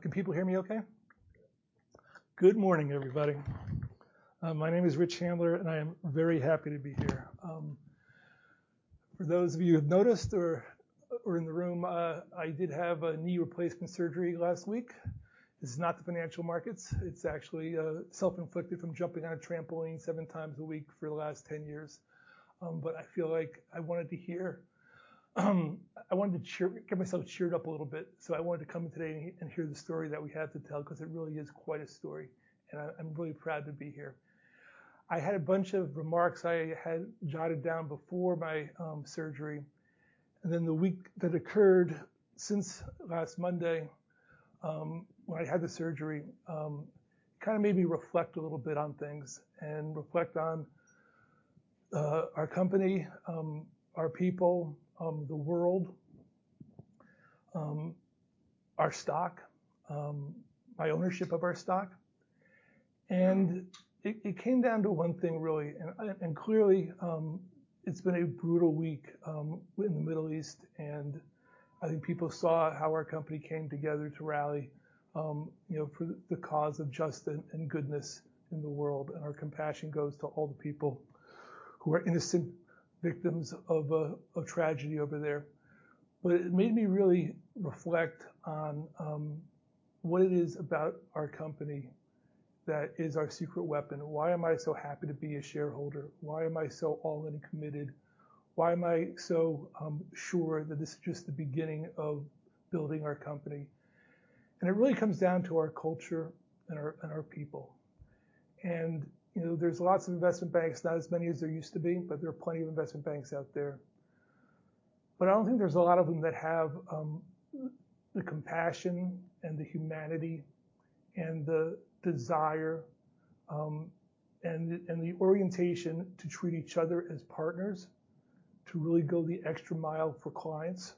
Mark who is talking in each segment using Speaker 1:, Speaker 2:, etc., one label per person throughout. Speaker 1: Can people hear me okay? Good morning, everybody. My name is Rich Handler, and I am very happy to be here. For those of you who've noticed or in the room, I did have a knee replacement surgery last week. This is not the financial markets. It's actually self-inflicted from jumping on a trampoline seven times a week for the last 10 years. But I feel like I wanted to hear, I wanted to cheer get myself cheered up a little bit, so I wanted to come in today and hear the story that we have to tell, 'cause it really is quite a story, and I'm really proud to be here. I had a bunch of remarks I had jotted down before my surgery, and then the week that occurred since last Monday, when I had the surgery, kinda made me reflect a little bit on things and reflect on our company, our people, the world, our stock, my ownership of our stock. And it, it came down to one thing, really, and clearly, it's been a brutal week in the Middle East, and I think people saw how our company came together to rally, you know, for the cause of justice and goodness in the world. And our compassion goes to all the people who are innocent victims of a tragedy over there. But it made me really reflect on what it is about our company that is our secret weapon. Why am I so happy to be a shareholder? Why am I so all-in and committed? Why am I so sure that this is just the beginning of building our company? And it really comes down to our culture and our people. And, you know, there's lots of investment banks, not as many as there used to be, but there are plenty of investment banks out there. But I don't think there's a lot of them that have the compassion and the humanity and the desire, and the orientation to treat each other as partners, to really go the extra mile for clients,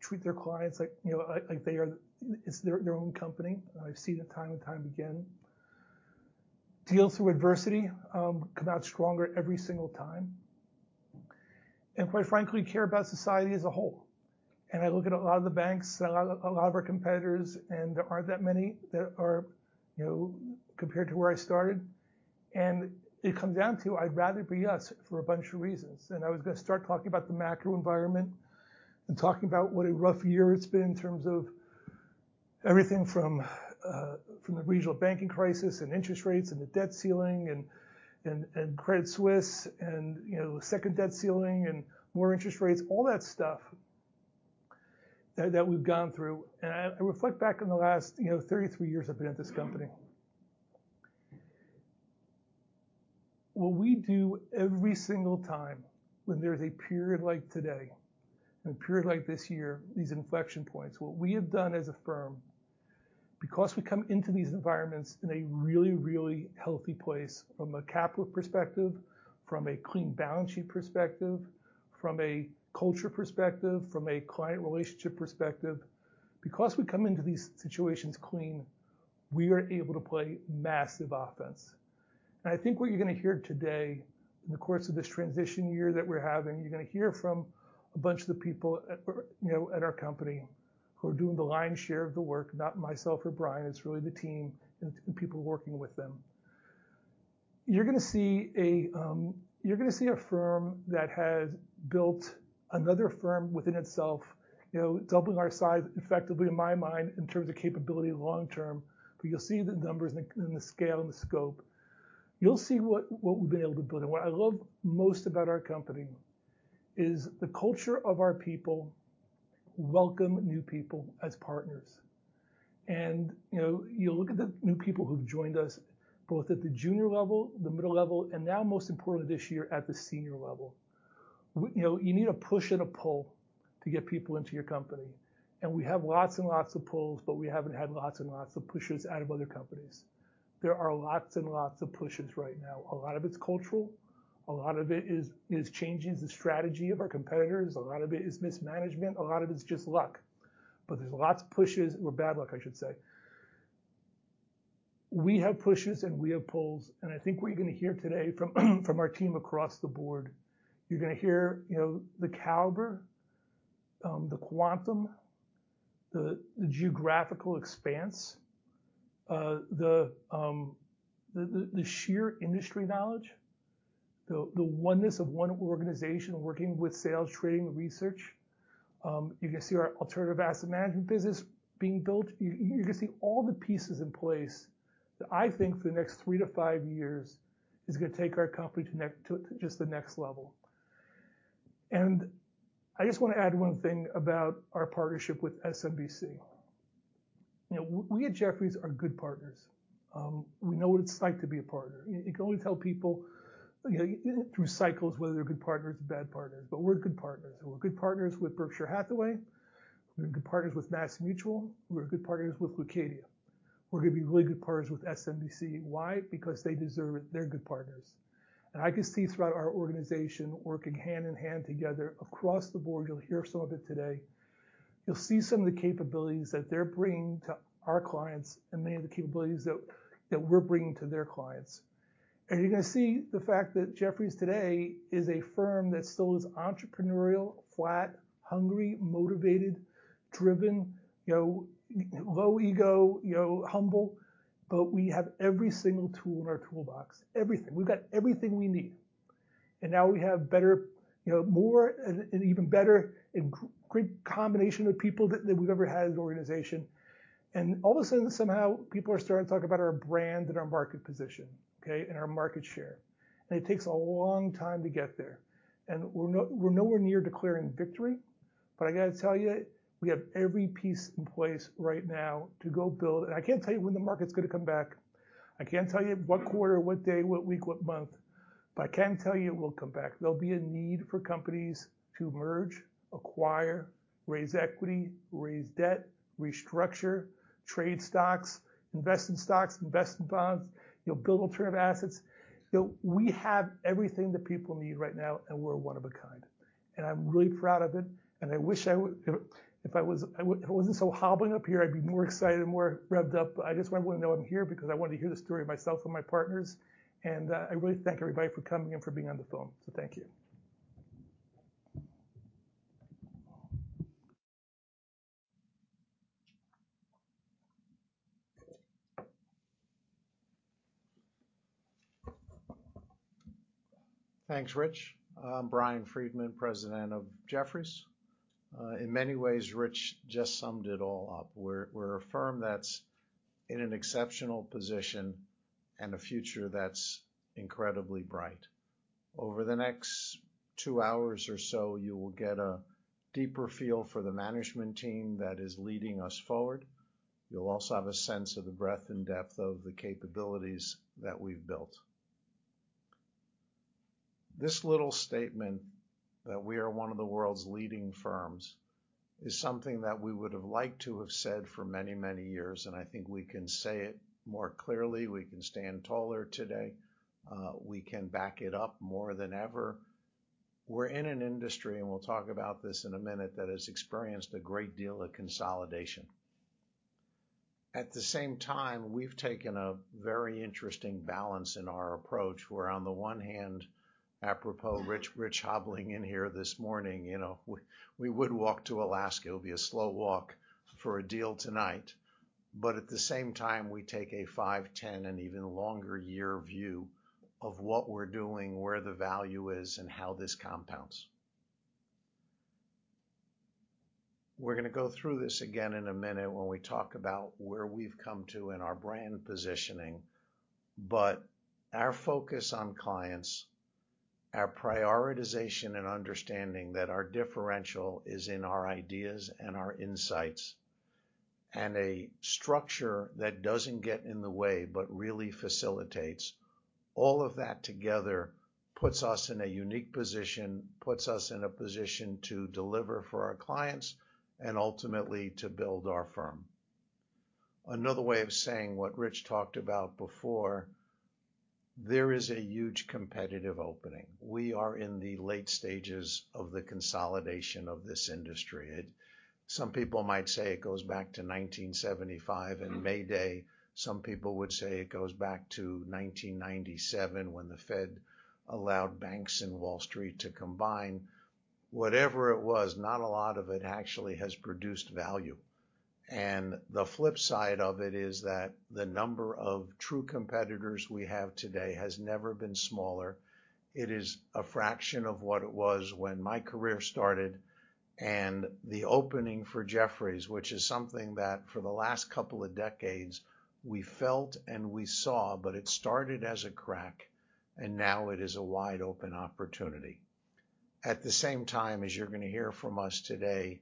Speaker 1: treat their clients like, you know, like they are. It's their own company. I've seen it time and time again. Deal through adversity, come out stronger every single time, and quite frankly, care about society as a whole. And I look at a lot of the banks, a lot, a lot of our competitors, and there aren't that many that are, you know, compared to where I started. And it comes down to, I'd rather it be us for a bunch of reasons. And I was going to start talking about the macro environment and talking about what a rough year it's been in terms of everything from the regional banking crisis, and interest rates, and the debt ceiling, and, and, and Credit Suisse, and, you know, second debt ceiling, and more interest rates, all that stuff that we've gone through. And I reflect back on the last, you know, 3three years I've been at this company. What we do every single time when there's a period like today and a period like this year, these inflection points, what we have done as a firm, because we come into these environments in a really, really healthy place from a capital perspective, from a clean balance sheet perspective, from a culture perspective, from a client relationship perspective, because we come into these situations clean, we are able to play massive offense. I think what you're going to hear today in the course of this transition year that we're having, you're going to hear from a bunch of the people at, you know, at our company who are doing the lion's share of the work, not myself or Brian, it's really the team and, and people working with them. You're gonna see a firm that has built another firm within itself, you know, doubling our size effectively, in my mind, in terms of capability long term, but you'll see the numbers and the scale and the scope. You'll see what we've been able to build. And what I love most about our company is the culture of our people welcome new people as partners. And, you know, you look at the new people who've joined us, both at the junior level, the middle level, and now, most importantly, this year, at the senior level. You know, you need a push and a pull to get people into your company. And we have lots and lots of pulls, but we haven't had lots and lots of pushes out of other companies. There are lots and lots of pushes right now. A lot of it's cultural, a lot of it is changing the strategy of our competitors, a lot of it is mismanagement, a lot of it's just luck. But there's lots of pushes. Or bad luck, I should say. We have pushes, and we have pulls, and I think what you're going to hear today from our team across the board, you're going to hear, you know, the caliber, the quantum, the geographical expanse, the sheer industry knowledge, the oneness of one organization working with sales, trading, and research. You're going to see our alternative asset management business being built. You're going to see all the pieces in place that I think for the next three to five years, is going to take our company to just the next level. I just want to add one thing about our partnership with SMBC. You know, we at Jefferies are good partners. We know what it's like to be a partner. You can only tell people, you know, through cycles, whether they're good partners or bad partners, but we're good partners. We're good partners with Berkshire Hathaway. We're good partners with MassMutual. We're good partners with Leucadia. We're going to be really good partners with SMBC. Why? Because they deserve it. They're good partners. I can see throughout our organization, working hand in hand together across the board, you'll hear some of it today. You'll see some of the capabilities that they're bringing to our clients and many of the capabilities that we're bringing to their clients. And you're gonna see the fact that Jefferies today is a firm that still is entrepreneurial, flat, hungry, motivated, driven, you know, low ego, you know, humble, but we have every single tool in our toolbox. Everything. We've got everything we need, and now we have better, you know, more and even better and great combination of people that we've ever had as an organization. And all of a sudden, somehow people are starting to talk about our brand and our market position, okay, and our market share. And it takes a long time to get there. And we're nowhere near declaring victory, but I gotta tell you, we have every piece in place right now to go build. And I can't tell you when the market's gonna come back. I can't tell you what quarter, what day, what week, what month, but I can tell you it will come back. There'll be a need for companies to merge, acquire, raise equity, raise debt, restructure, trade stocks, invest in stocks, invest in bonds, you know, build alternative assets. You know, we have everything that people need right now, and we're one of a kind. And I'm really proud of it, and I wish I was, if I wasn't so hobbling up here, I'd be more excited and more revved up. But I just want everyone to know I'm here because I wanted to hear the story myself and my partners, and I really thank everybody for coming and for being on the phone. So thank you.
Speaker 2: Thanks, Rich. I'm Brian Friedman, President of Jefferies. In many ways, Rich just summed it all up. We're, we're a firm that's in an exceptional position and a future that's incredibly bright. Over the next two hours or so, you will get a deeper feel for the management team that is leading us forward. You'll also have a sense of the breadth and depth of the capabilities that we've built. This little statement, that we are one of the world's leading firms, is something that we would have liked to have said for many, many years, and I think we can say it more clearly. We can stand taller today. We can back it up more than ever. We're in an industry, and we'll talk about this in a minute, that has experienced a great deal of consolidation. At the same time, we've taken a very interesting balance in our approach, where on the one hand, apropos, Rich, Rich hobbling in here this morning, you know, we would walk to Alaska. It would be a slow walk for a deal tonight, but at the same time, we take a 5, 10, and even longer year view of what we're doing, where the value is, and how this compounds. We're gonna go through this again in a minute when we talk about where we've come to in our brand positioning, but our focus on clients, our prioritization and understanding that our differential is in our ideas and our insights, and a structure that doesn't get in the way, but really facilitates. All of that together puts us in a unique position, puts us in a position to deliver for our clients and ultimately to build our firm. Another way of saying what Rich talked about before, there is a huge competitive opening. We are in the late stages of the consolidation of this industry. It, some people might say it goes back to 1975 and May Day. Some people would say it goes back to 1997 when the Fed allowed banks and Wall Street to combine. Whatever it was, not a lot of it actually has produced value, and the flip side of it is that the number of true competitors we have today has never been smaller. It is a fraction of what it was when my career started and the opening for Jefferies, which is something that for the last couple of decades, we felt and we saw, but it started as a crack, and now it is a wide-open opportunity. At the same time, as you're gonna hear from us today,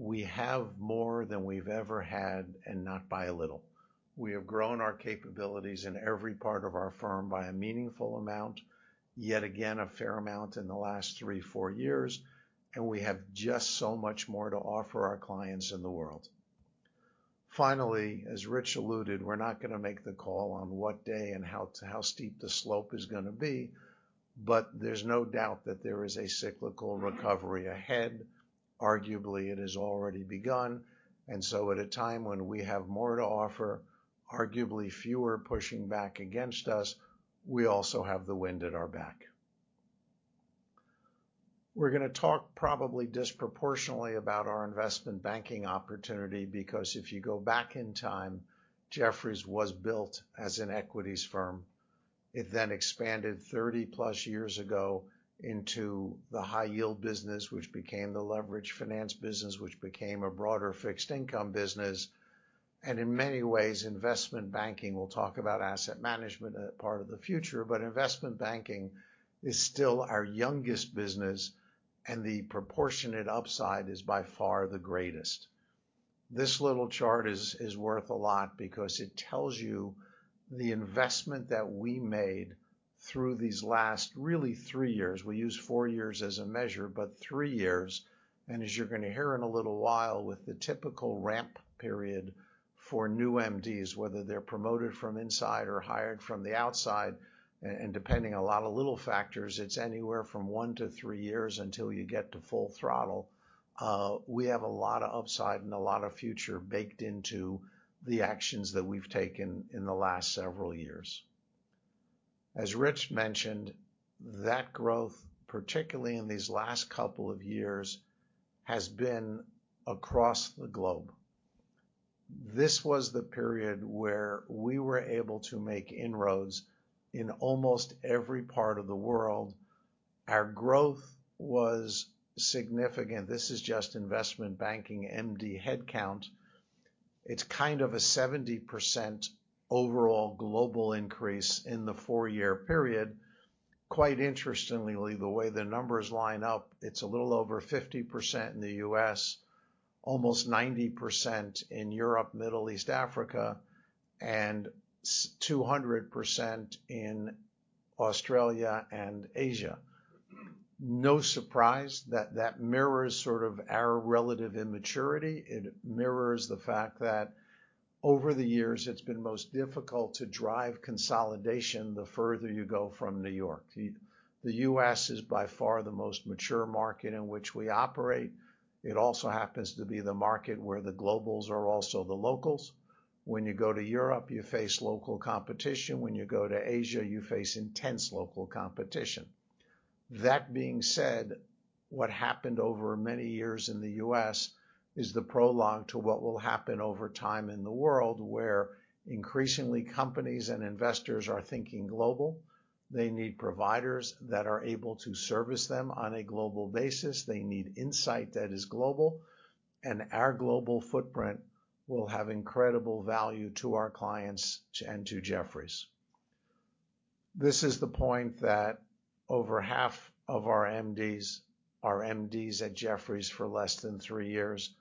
Speaker 2: we have more than we've ever had, and not by a little. We have grown our capabilities in every part of our firm by a meaningful amount, yet again, a fair amount in the last three, four years, and we have just so much more to offer our clients in the world. Finally, as Rich alluded, we're not gonna make the call on what day and how, how steep the slope is gonna be, but there's no doubt that there is a cyclical recovery ahead. Arguably, it has already begun, and so at a time when we have more to offer, arguably fewer pushing back against us, we also have the wind at our back. We're gonna talk probably disproportionately about our investment banking opportunity, because if you go back in time, Jefferies was built as an equities firm. It then expanded 30+ years ago into the high yield business, which became the leveraged finance business, which became a broader fixed income business, and in many ways, investment banking. We'll talk about asset management, part of the future, but investment banking is still our youngest business, and the proportionate upside is by far the greatest. This little chart is worth a lot because it tells you the investment that we made through these last, really three years. We use four years as a measure, but three years, and as you're gonna hear in a little while, with the typical ramp period for new MDs, whether they're promoted from inside or hired from the outside and depending on a lot of little factors, it's anywhere from one to three years until you get to full throttle. We have a lot of upside and a lot of future baked into the actions that we've taken in the last several years. As Rich mentioned, that growth, particularly in these last couple of years, has been across the globe. This was the period where we were able to make inroads in almost every part of the world. Our growth was significant. This is just investment banking, MD headcount. It's kind of a 70% overall global increase in the four-year period. Quite interestingly, the way the numbers line up, it's a little over 50% in the US, almost 90% in Europe, Middle East, Africa, and 200% in Australia and Asia. No surprise that that mirrors sort of our relative immaturity. It mirrors the fact that over the years, it's been most difficult to drive consolidation the further you go from New York. The U.S. is by far the most mature market in which we operate. It also happens to be the market where the globals are also the locals. When you go to Europe, you face local competition. When you go to Asia, you face intense local competition. That being said, what happened over many years in the U.S. is the prologue to what will happen over time in the world, where increasingly companies and investors are thinking global. They need providers that are able to service them on a global basis. They need insight that is global, and our global footprint will have incredible value to our clients and to Jefferies. This is the point that over half of our MDs are MDs at Jefferies for less than three years.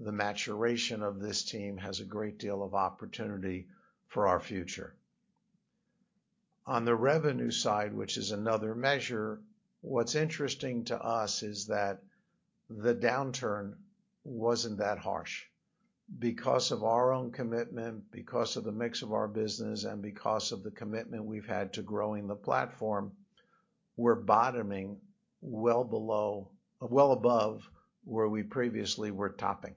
Speaker 2: The maturation of this team has a great deal of opportunity for our future. On the revenue side, which is another measure, what's interesting to us is that the downturn wasn't that harsh. Because of our own commitment, because of the mix of our business, and because of the commitment we've had to growing the platform, we're bottoming well below- well above where we previously were topping.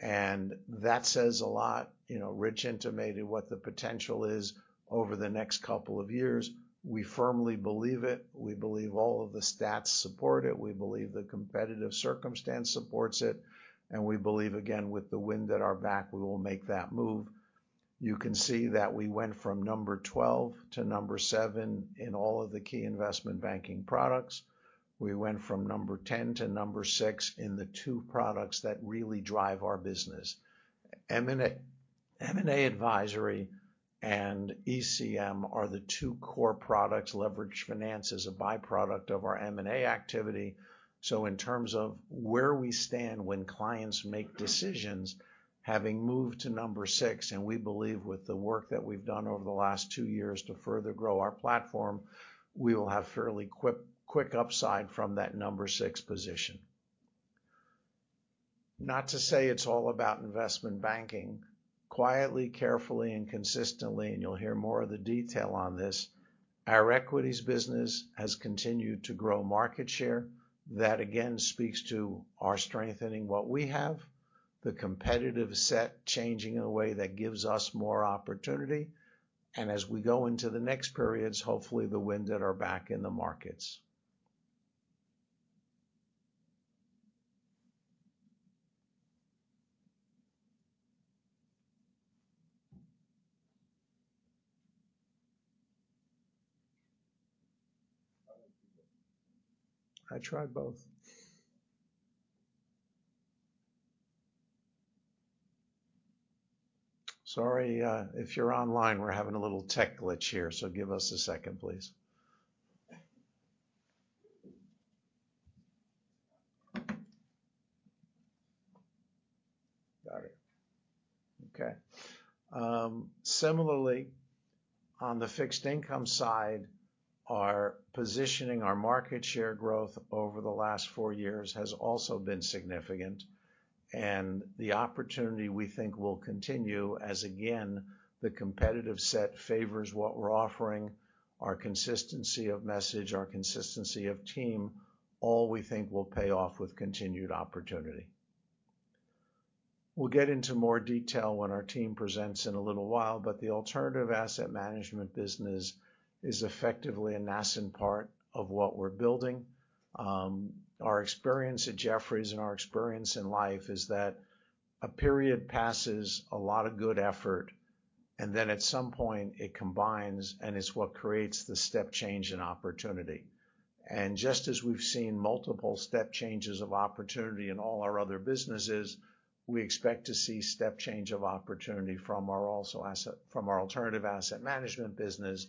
Speaker 2: That says a lot. You know, Rich intimated what the potential is over the next couple of years. We firmly believe it. We believe all of the stats support it. We believe the competitive circumstance supports it, and we believe, again, with the wind at our back, we will make that move. You can see that we went from number 12 to number seven in all of the key investment banking products. We went from number 10 to number six in the two products that really drive our business. M&A, M&A advisory and ECM are the two core products. Leveraged finance is a byproduct of our M&A activity. So in terms of where we stand when clients make decisions, having moved to number six, and we believe with the work that we've done over the last two years to further grow our platform, we will have fairly quick upside from that number six position. Not to say it's all about investment banking. Quietly, carefully, and consistently, and you'll hear more of the detail on this, our equities business has continued to grow market share. That, again, speaks to our strengthening what we have, the competitive set changing in a way that gives us more opportunity, and as we go into the next periods, hopefully the wind at our back in the markets. I tried both. Sorry, if you're online, we're having a little tech glitch here, so give us a second, please. Got it. Okay. Similarly, on the fixed income side, our positioning, our market share growth over the last four years has also been significant, and the opportunity, we think, will continue as, again, the competitive set favors what we're offering. Our consistency of message, our consistency of team, all we think will pay off with continued opportunity. We'll get into more detail when our team presents in a little while, but the alternative asset management business is effectively a nascent part of what we're building. Our experience at Jefferies and our experience in life is that a period passes a lot of good effort, and then at some point it combines and is what creates the step change in opportunity. Just as we've seen multiple step changes of opportunity in all our other businesses, we expect to see step change of opportunity from our alternative asset management business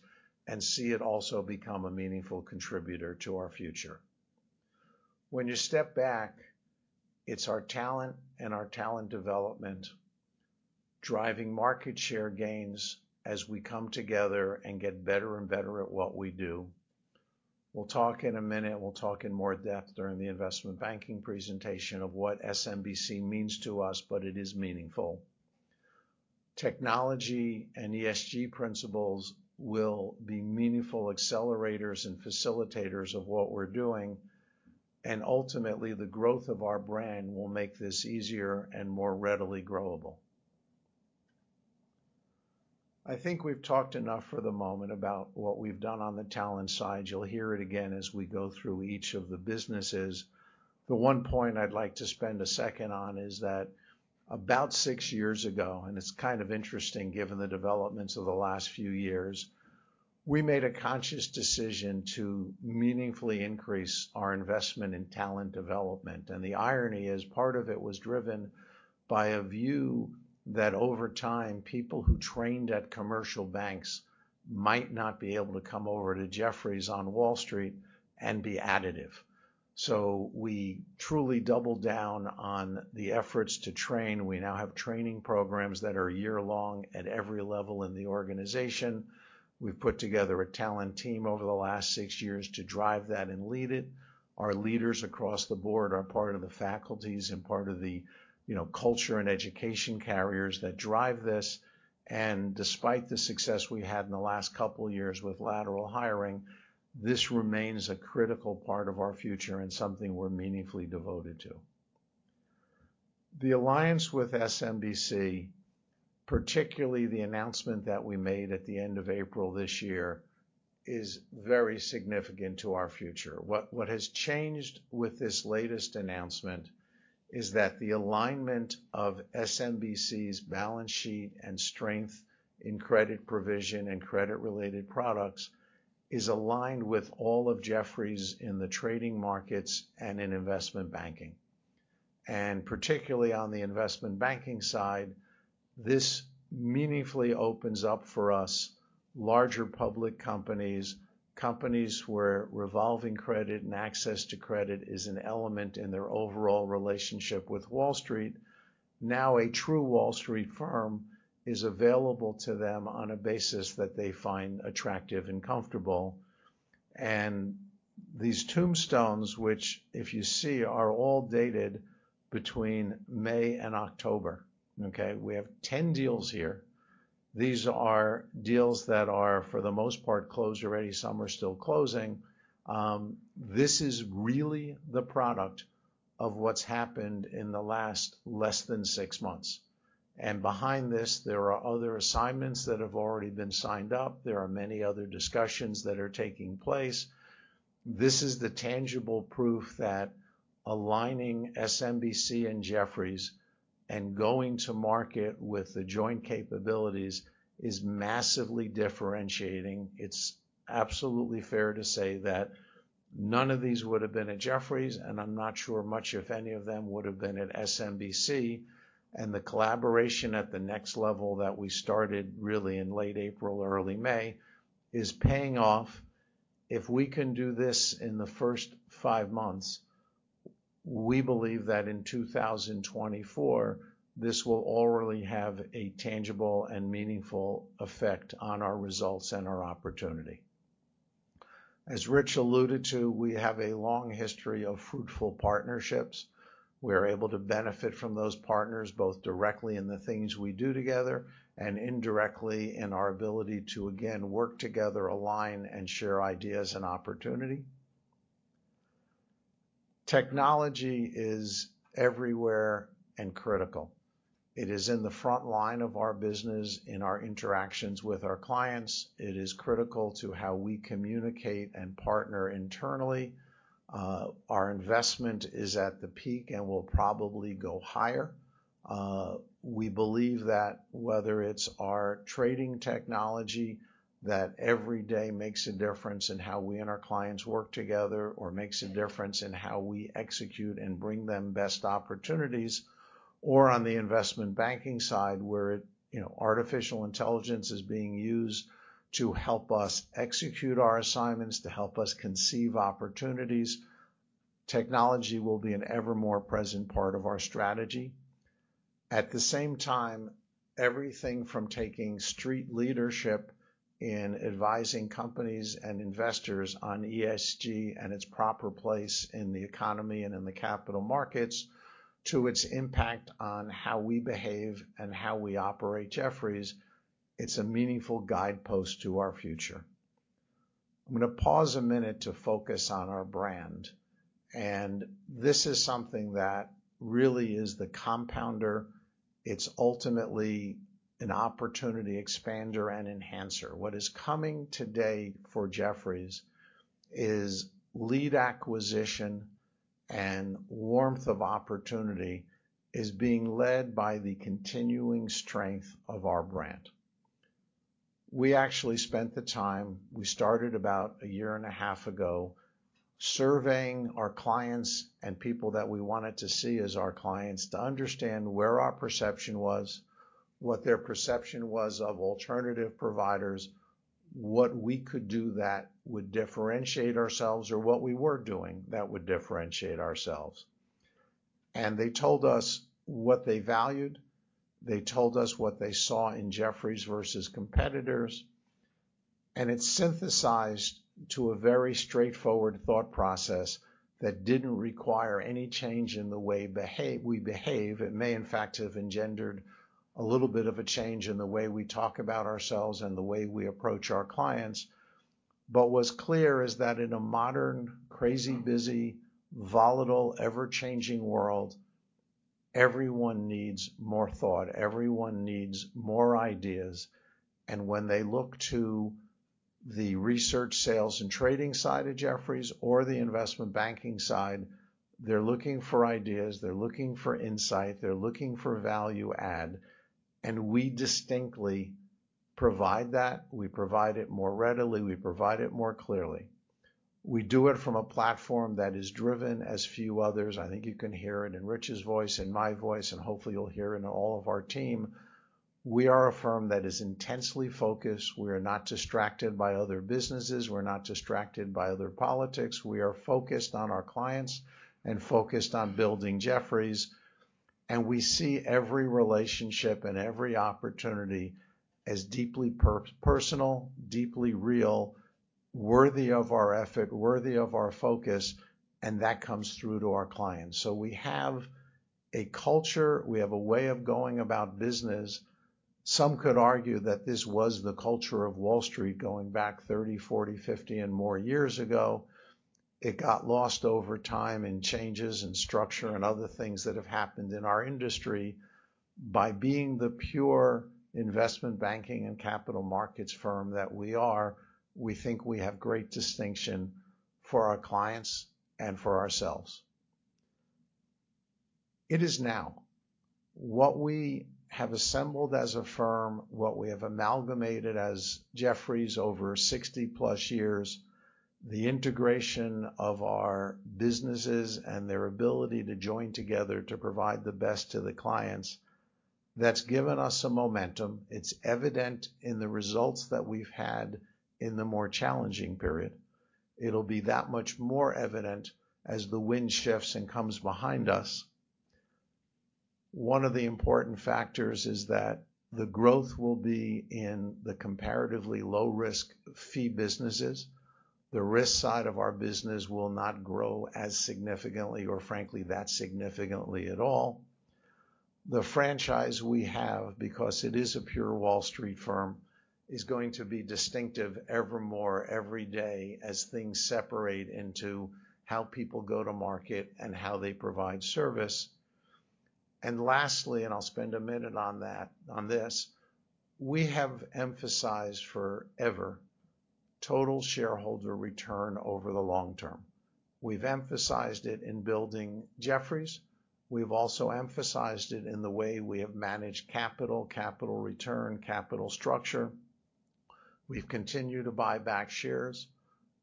Speaker 2: and see it also become a meaningful contributor to our future. When you step back, it's our talent and our talent development, driving market share gains as we come together and get better and better at what we do. We'll talk in a minute. We'll talk in more depth during the investment banking presentation of what SMBC means to us, but it is meaningful. Technology and ESG principles will be meaningful accelerators and facilitators of what we're doing and ultimately, the growth of our brand will make this easier and more readily growable. I think we've talked enough for the moment about what we've done on the talent side. You'll hear it again as we go through each of the businesses. The one point I'd like to spend a second on is that about six years ago, and it's kind of interesting given the developments of the last few years, we made a conscious decision to meaningfully increase our investment in talent development. The irony is, part of it was driven by a view that over time, people who trained at commercial banks might not be able to come over to Jefferies on Wall Street and be additive. We truly doubled down on the efforts to train. We now have training programs that are a year-long at every level in the organization. We've put together a talent team over the last six years to drive that and lead it. Our leaders across the board are part of the faculties and part of the, you know, culture and education carriers that drive this. Despite the success we had in the last couple of years with lateral hiring, this remains a critical part of our future and something we're meaningfully devoted to. The alliance with SMBC, particularly the announcement that we made at the end of April this year, is very significant to our future. What has changed with this latest announcement is that the alignment of SMBC's balance sheet and strength in credit provision and credit-related products is aligned with all of Jefferies in the trading markets and in investment banking. And particularly on the investment banking side, this meaningfully opens up for us larger public companies, companies where revolving credit and access to credit is an element in their overall relationship with Wall Street. Now, a true Wall Street firm is available to them on a basis that they find attractive and comfortable. These tombstones, which, if you see, are all dated between May and October, okay? We have 10 deals here. These are deals that are, for the most part, closed already. Some are still closing. This is really the product of what's happened in the last less than six months. Behind this, there are other assignments that have already been signed up. There are many other discussions that are taking place. This is the tangible proof that aligning SMBC and Jefferies and going to market with the joint capabilities is massively differentiating. It's absolutely fair to say that none of these would have been at Jefferies, and I'm not sure much, if any of them, would have been at SMBC. The collaboration at the next level that we started really in late April or early May, is paying off. If we can do this in the first five months, we believe that in 2024, this will already have a tangible and meaningful effect on our results and our opportunity. As Rich alluded to, we have a long history of fruitful partnerships. We're able to benefit from those partners, both directly in the things we do together and indirectly in our ability to again work together, align, and share ideas and opportunity. Technology is everywhere and critical. It is in the front line of our business, in our interactions with our clients. It is critical to how we communicate and partner internally. Our investment is at the peak and will probably go higher. We believe that whether it's our trading technology, that every day makes a difference in how we and our clients work together or makes a difference in how we execute and bring them best opportunities, or on the investment banking side, where, you know, artificial intelligence is being used to help us execute our assignments, to help us conceive opportunities. Technology will be an ever more present part of our strategy. At the same time, everything from taking street leadership in advising companies and investors on ESG and its proper place in the economy and in the capital markets, to its impact on how we behave and how we operate Jefferies, it's a meaningful guidepost to our future. I'm gonna pause a minute to focus on our brand, and this is something that really is the compounder. It's ultimately an opportunity expander and enhancer. What is coming today for Jefferies is lead acquisition, and warmth of opportunity is being led by the continuing strength of our brand. We actually spent the time. We started about a year and a half ago, surveying our clients and people that we wanted to see as our clients, to understand where our perception was, what their perception was of alternative providers, what we could do that would differentiate ourselves, or what we were doing that would differentiate ourselves. They told us what they valued. They told us what they saw in Jefferies versus competitors, and it synthesized to a very straightforward thought process that didn't require any change in the way we behave. It may, in fact, have engendered a little bit of a change in the way we talk about ourselves and the way we approach our clients. But what's clear is that in a modern, crazy, busy, volatile, ever-changing world, everyone needs more thought, everyone needs more ideas, and when they look to the research, sales, and trading side of Jefferies or the investment banking side, they're looking for ideas, they're looking for insight, they're looking for value add, and we distinctly provide that. We provide it more readily, we provide it more clearly. We do it from a platform that is driven as few others. I think you can hear it in Rich's voice and my voice, and hopefully, you'll hear in all of our team. We are a firm that is intensely focused. We are not distracted by other businesses. We're not distracted by other politics. We are focused on our clients and focused on building Jefferies, and we see every relationship and every opportunity as deeply personal, deeply real, worthy of our effort, worthy of our focus, and that comes through to our clients. So we have a culture, we have a way of going about business. Some could argue that this was the culture of Wall Street going back 30, 40, 50, and more years ago. It got lost over time in changes, in structure, and other things that have happened in our industry. By being the pure investment banking and capital markets firm that we are, we think we have great distinction for our clients and for ourselves. It is now. What we have assembled as a firm, what we have amalgamated as Jefferies over 60-plus years, the integration of our businesses and their ability to join together to provide the best to the clients, that's given us some momentum. It's evident in the results that we've had in the more challenging period. It'll be that much more evident as the wind shifts and comes behind us. One of the important factors is that the growth will be in the comparatively low-risk fee businesses. The risk side of our business will not grow as significantly or frankly, that significantly at all. The franchise we have, because it is a pure Wall Street firm, is going to be distinctive evermore, every day, as things separate into how people go to market and how they provide service. Lastly, I'll spend a minute on this. We have emphasized forever total shareholder return over the long term. We've emphasized it in building Jefferies. We've also emphasized it in the way we have managed capital, capital return, capital structure. We've continued to buy back shares.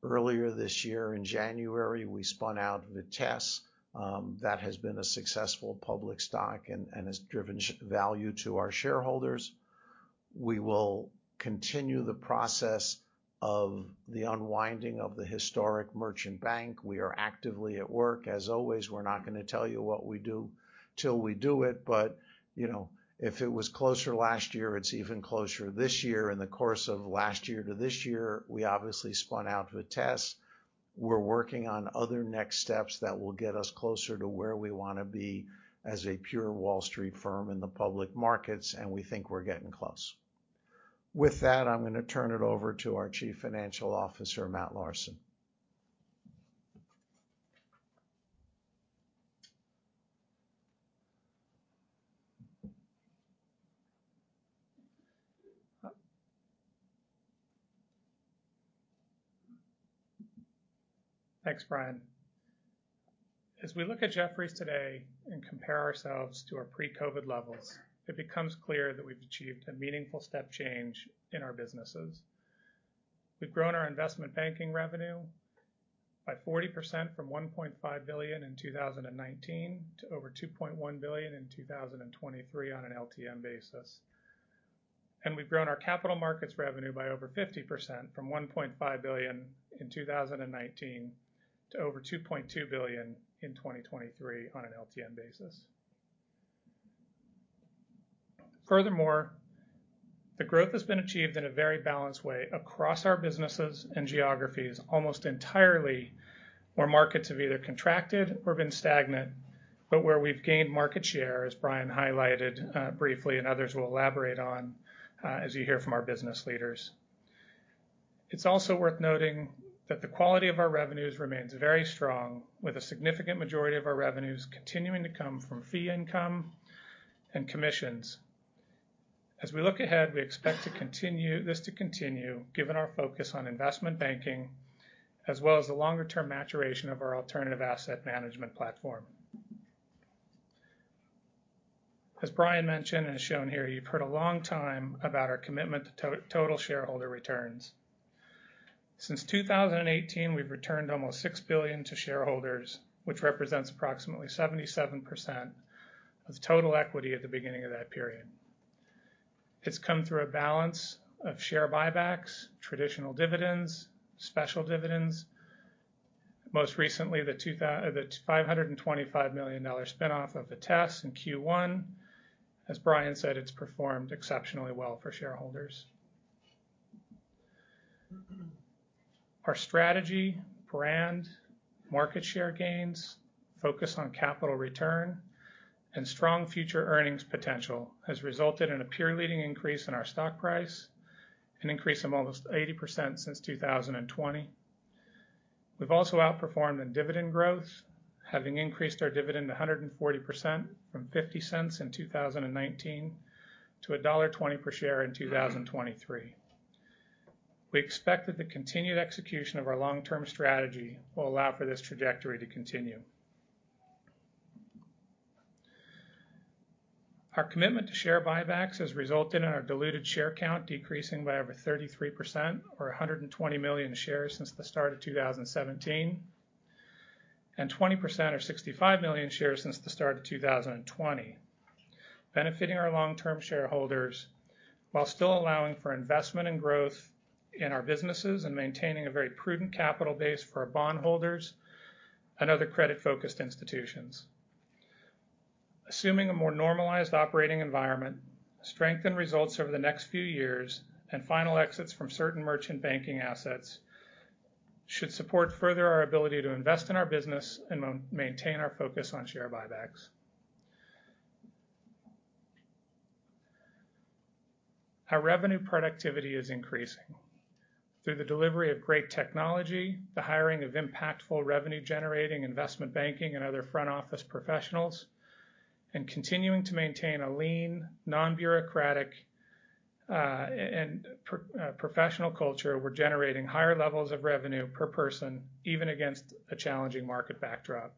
Speaker 2: Earlier this year, in January, we spun out Vitesse. That has been a successful public stock and has driven shareholder value to our shareholders. We will continue the process of the unwinding of the historic merchant bank. We are actively at work. As always, we're not gonna tell you what we do till we do it, but you know, if it was closer last year, it's even closer this year. In the course of last year to this year, we obviously spun out Vitesse. We're working on other next steps that will get us closer to where we wanna be as a pure Wall Street firm in the public markets, and we think we're getting close. With that, I'm gonna turn it over to our Chief Financial Officer, Matt Larson.
Speaker 3: Thanks, Brian. As we look at Jefferies today and compare ourselves to our pre-COVID levels, it becomes clear that we've achieved a meaningful step change in our businesses. We've grown our investment banking revenue by 40% from $1.5 billion in 2019 to over $2.1 billion in 2023 on an LTM basis. We've grown our capital markets revenue by over 50% from $1.5 billion in 2019 to over $2.2 billion in 2023 on an LTM basis. Furthermore, the growth has been achieved in a very balanced way across our businesses and geographies, almost entirely where markets have either contracted or been stagnant, but where we've gained market share, as Brian highlighted briefly and others will elaborate on, as you hear from our business leaders. It's also worth noting that the quality of our revenues remains very strong, with a significant majority of our revenues continuing to come from fee income and commissions. As we look ahead, we expect this to continue, given our focus on investment banking, as well as the longer-term maturation of our alternative asset management platform. As Brian mentioned, and as shown here, you've heard a long time about our commitment to total shareholder returns. Since 2018, we've returned almost $6 billion to shareholders, which represents approximately 77% of total equity at the beginning of that period. It's come through a balance of share buybacks, traditional dividends, special dividends. Most recently, the $525 million spinoff of Vitesse in Q1. As Brian said, it's performed exceptionally well for shareholders. Our strategy, brand, market share gains, focus on capital return, and strong future earnings potential has resulted in a peer-leading increase in our stock price, an increase of almost 80% since 2020. We've also outperformed in dividend growth, having increased our dividend 140% from $0.50 in 2019 to $1.20 per share in 2023. We expect that the continued execution of our long-term strategy will allow for this trajectory to continue. Our commitment to share buybacks has resulted in our diluted share count decreasing by over 33% or 120 million shares since the start of 2017, and 20% or 65 million shares since the start of 2020. Benefiting our long-term shareholders, while still allowing for investment and growth in our businesses and maintaining a very prudent capital base for our bondholders and other credit-focused institutions. Assuming a more normalized operating environment, strengthened results over the next few years, and final exits from certain merchant banking assets should support further our ability to invest in our business and maintain our focus on share buybacks. Our revenue productivity is increasing. Through the delivery of great technology, the hiring of impactful revenue-generating investment banking, and other front-office professionals, and continuing to maintain a lean, non-bureaucratic, and professional culture, we're generating higher levels of revenue per person, even against a challenging market backdrop.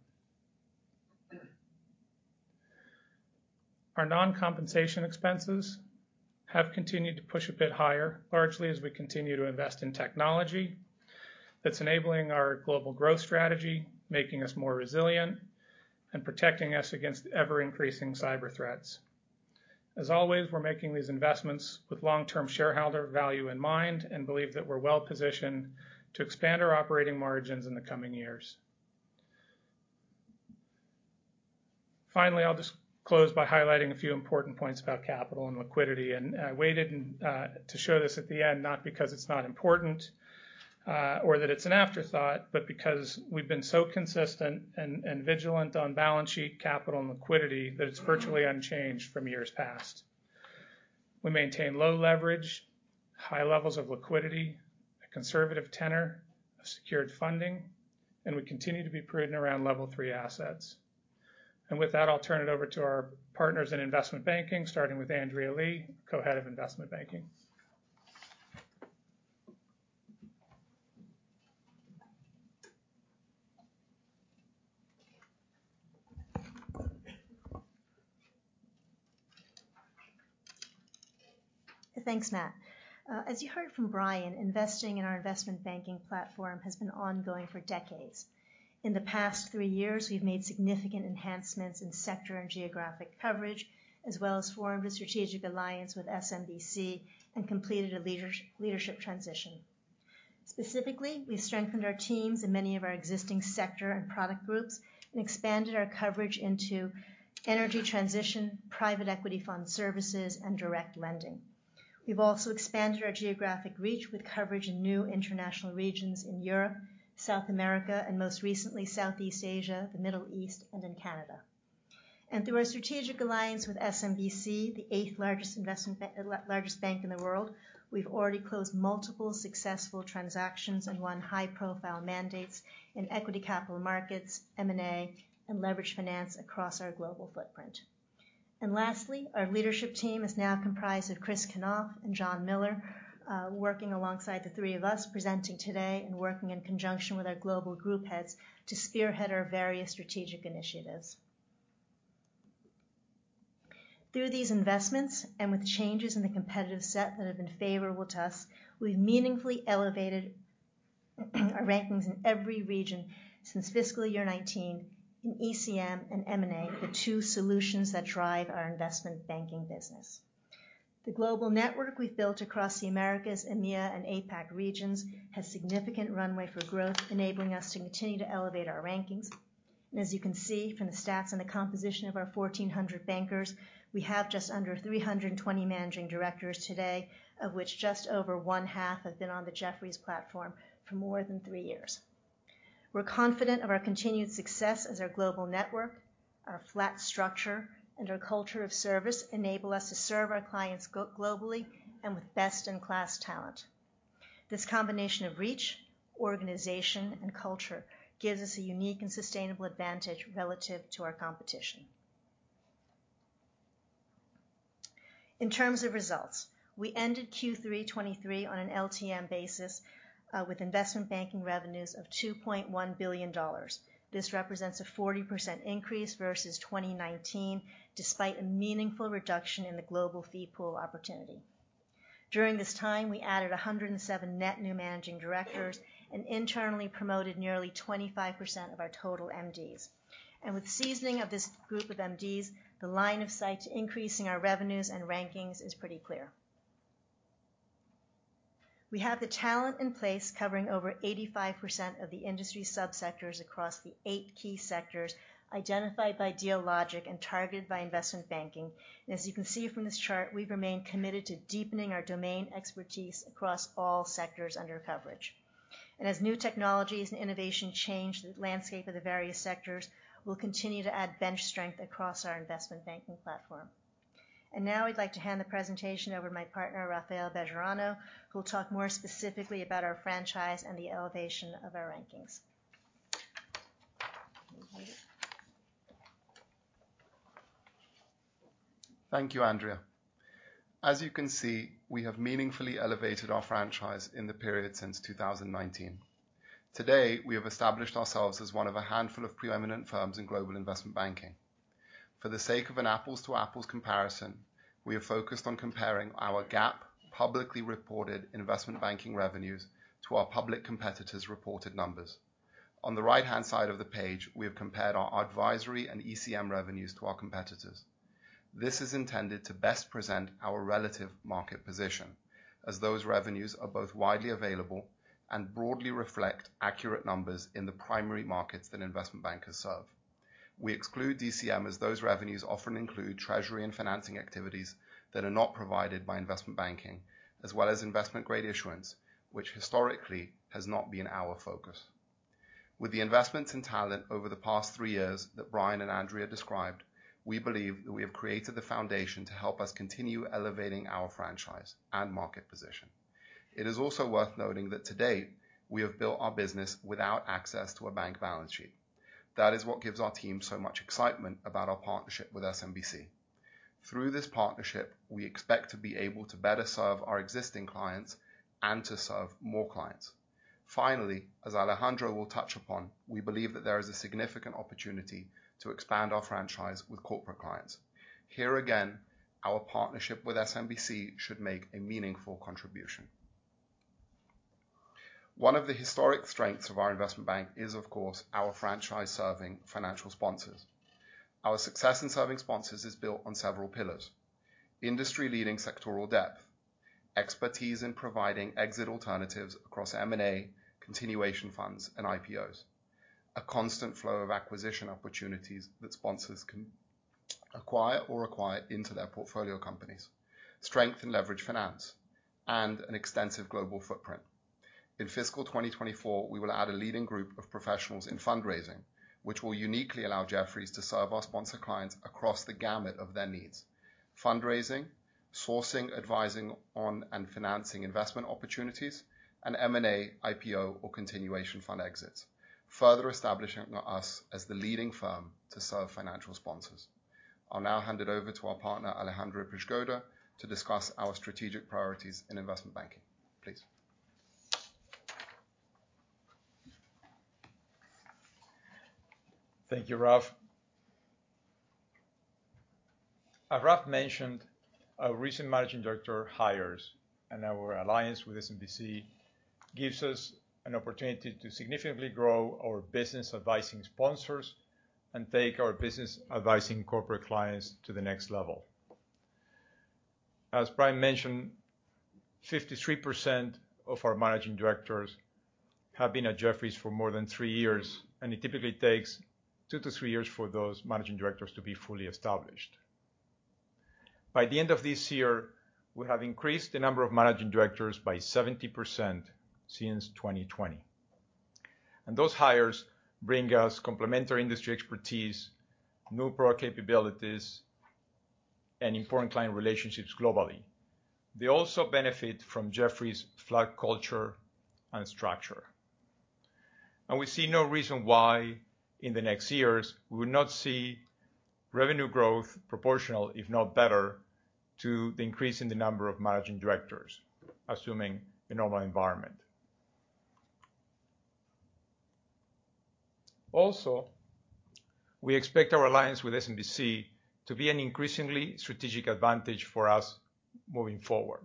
Speaker 3: Our non-compensation expenses have continued to push a bit higher, largely as we continue to invest in technology that's enabling our global growth strategy, making us more resilient, and protecting us against ever-increasing cyber threats. As always, we're making these investments with long-term shareholder value in mind and believe that we're well-positioned to expand our operating margins in the coming years. Finally, I'll just close by highlighting a few important points about capital and liquidity. I waited and to show this at the end, not because it's not important or that it's an afterthought, but because we've been so consistent and vigilant on balance sheet capital and liquidity, that it's virtually unchanged from years past. We maintain low leverage, high levels of liquidity, a conservative tenor of secured funding, and we continue to be prudent around Level Three Assets. With that, I'll turn it over to our partners in investment banking, starting with Andrea Lee, Co-Head of Investment Banking.
Speaker 4: Thanks, Matt. As you heard from Brian, investing in our investment banking platform has been ongoing for decades. In the past three years, we've made significant enhancements in sector and geographic coverage, as well as formed a strategic alliance with SMBC and completed a leadership transition. Specifically, we've strengthened our teams in many of our existing sector and product groups and expanded our coverage into energy transition, private equity fund services, and direct lending. We've also expanded our geographic reach with coverage in new international regions in Europe, South America, and most recently, Southeast Asia, the Middle East, and in Canada. And through our strategic alliance with SMBC, the eighth largest investment bank... largest bank in the world, we've already closed multiple successful transactions and won high-profile mandates in equity capital markets, M&A, and leveraged finance across our global footprint. Lastly, our leadership team is now comprised of Chris Knopf and John Miller, working alongside the three of us presenting today and working in conjunction with our global group heads to spearhead our various strategic initiatives. Through these investments, and with changes in the competitive set that have been favorable to us, we've meaningfully elevated our rankings in every region since fiscal year 2019 in ECM and M&A, the two solutions that drive our investment banking business. The global network we've built across the Americas, EMEA, and APAC regions has significant runway for growth, enabling us to continue to elevate our rankings. As you can see from the stats and the composition of our 1,400 bankers, we have just under 320 managing directors today, of which just over one-half have been on the Jefferies platform for more than three years. We're confident of our continued success as our global network, our flat structure, and our culture of service enable us to serve our clients globally and with best-in-class talent. This combination of reach, organization, and culture gives us a unique and sustainable advantage relative to our competition. In terms of results, we ended Q3 2023 on an LTM basis with investment banking revenues of $2.1 billion. This represents a 40% increase versus 2019, despite a meaningful reduction in the global fee pool opportunity. During this time, we added 107 net new managing directors and internally promoted nearly 25% of our total MDs. With the seasoning of this group of MDs, the line of sight to increasing our revenues and rankings is pretty clear. We have the talent in place, covering over 85% of the industry subsectors across the eight key sectors identified by Dealogic and targeted by investment banking. As you can see from this chart, we've remained committed to deepening our domain expertise across all sectors under coverage. As new technologies and innovation change the landscape of the various sectors, we'll continue to add bench strength across our investment banking platform. Now I'd like to hand the presentation over to my partner, Raphael Bejarano, who will talk more specifically about our franchise and the elevation of our rankings.
Speaker 5: Thank you, Andrea. As you can see, we have meaningfully elevated our franchise in the period since 2019. Today, we have established ourselves as one of a handful of preeminent firms in global investment banking. For the sake of an apples to apples comparison, we have focused on comparing our GAAP publicly reported investment banking revenues to our public competitors' reported numbers. On the right-hand side of the page, we have compared our advisory and ECM revenues to our competitors. This is intended to best present our relative market position, as those revenues are both widely available and broadly reflect accurate numbers in the primary markets that investment bankers serve. We exclude DCM, as those revenues often include treasury and financing activities that are not provided by investment banking, as well as investment-grade issuance, which historically has not been our focus. With the investments in talent over the past three years that Brian and Andrea described, we believe that we have created the foundation to help us continue elevating our franchise and market position. It is also worth noting that to date, we have built our business without access to a bank balance sheet. That is what gives our team so much excitement about our partnership with SMBC. Through this partnership, we expect to be able to better serve our existing clients and to serve more clients. Finally, as Alejandro will touch upon, we believe that there is a significant opportunity to expand our franchise with corporate clients. Here again, our partnership with SMBC should make a meaningful contribution. One of the historic strengths of our investment bank is, of course, our franchise serving financial sponsors. Our success in serving sponsors is built on several pillars: industry-leading sectoral depth, expertise in providing exit alternatives across M&A, continuation funds, and IPOs, a constant flow of acquisition opportunities that sponsors can acquire or acquire into their portfolio companies, strength and leveraged finance, and an extensive global footprint. In fiscal 2024, we will add a leading group of professionals in fundraising, which will uniquely allow Jefferies to serve our sponsor clients across the gamut of their needs. Fundraising, sourcing, advising on and financing investment opportunities, and M&A, IPO, or continuation fund exits, further establishing us as the leading firm to serve financial sponsors. I'll now hand it over to our partner, Alejandro Przygoda, to discuss our strategic priorities in investment banking. Please.
Speaker 6: Thank you, Raph. As Raph mentioned, our recent managing director hires and our alliance with SMBC gives us an opportunity to significantly grow our business advising sponsors and take our business advising corporate clients to the next level. As Brian mentioned, 53% of our managing directors have been at Jefferies for more than three years, and it typically takes 2-three years for those managing directors to be fully established. By the end of this year, we have increased the number of managing directors by 70% since 2020. Those hires bring us complementary industry expertise, new product capabilities, and important client relationships globally. They also benefit from Jefferies' flat culture and structure. We see no reason why, in the next years, we would not see revenue growth proportional, if not better, to the increase in the number of managing directors, assuming a normal environment. Also, we expect our alliance with SMBC to be an increasingly strategic advantage for us moving forward.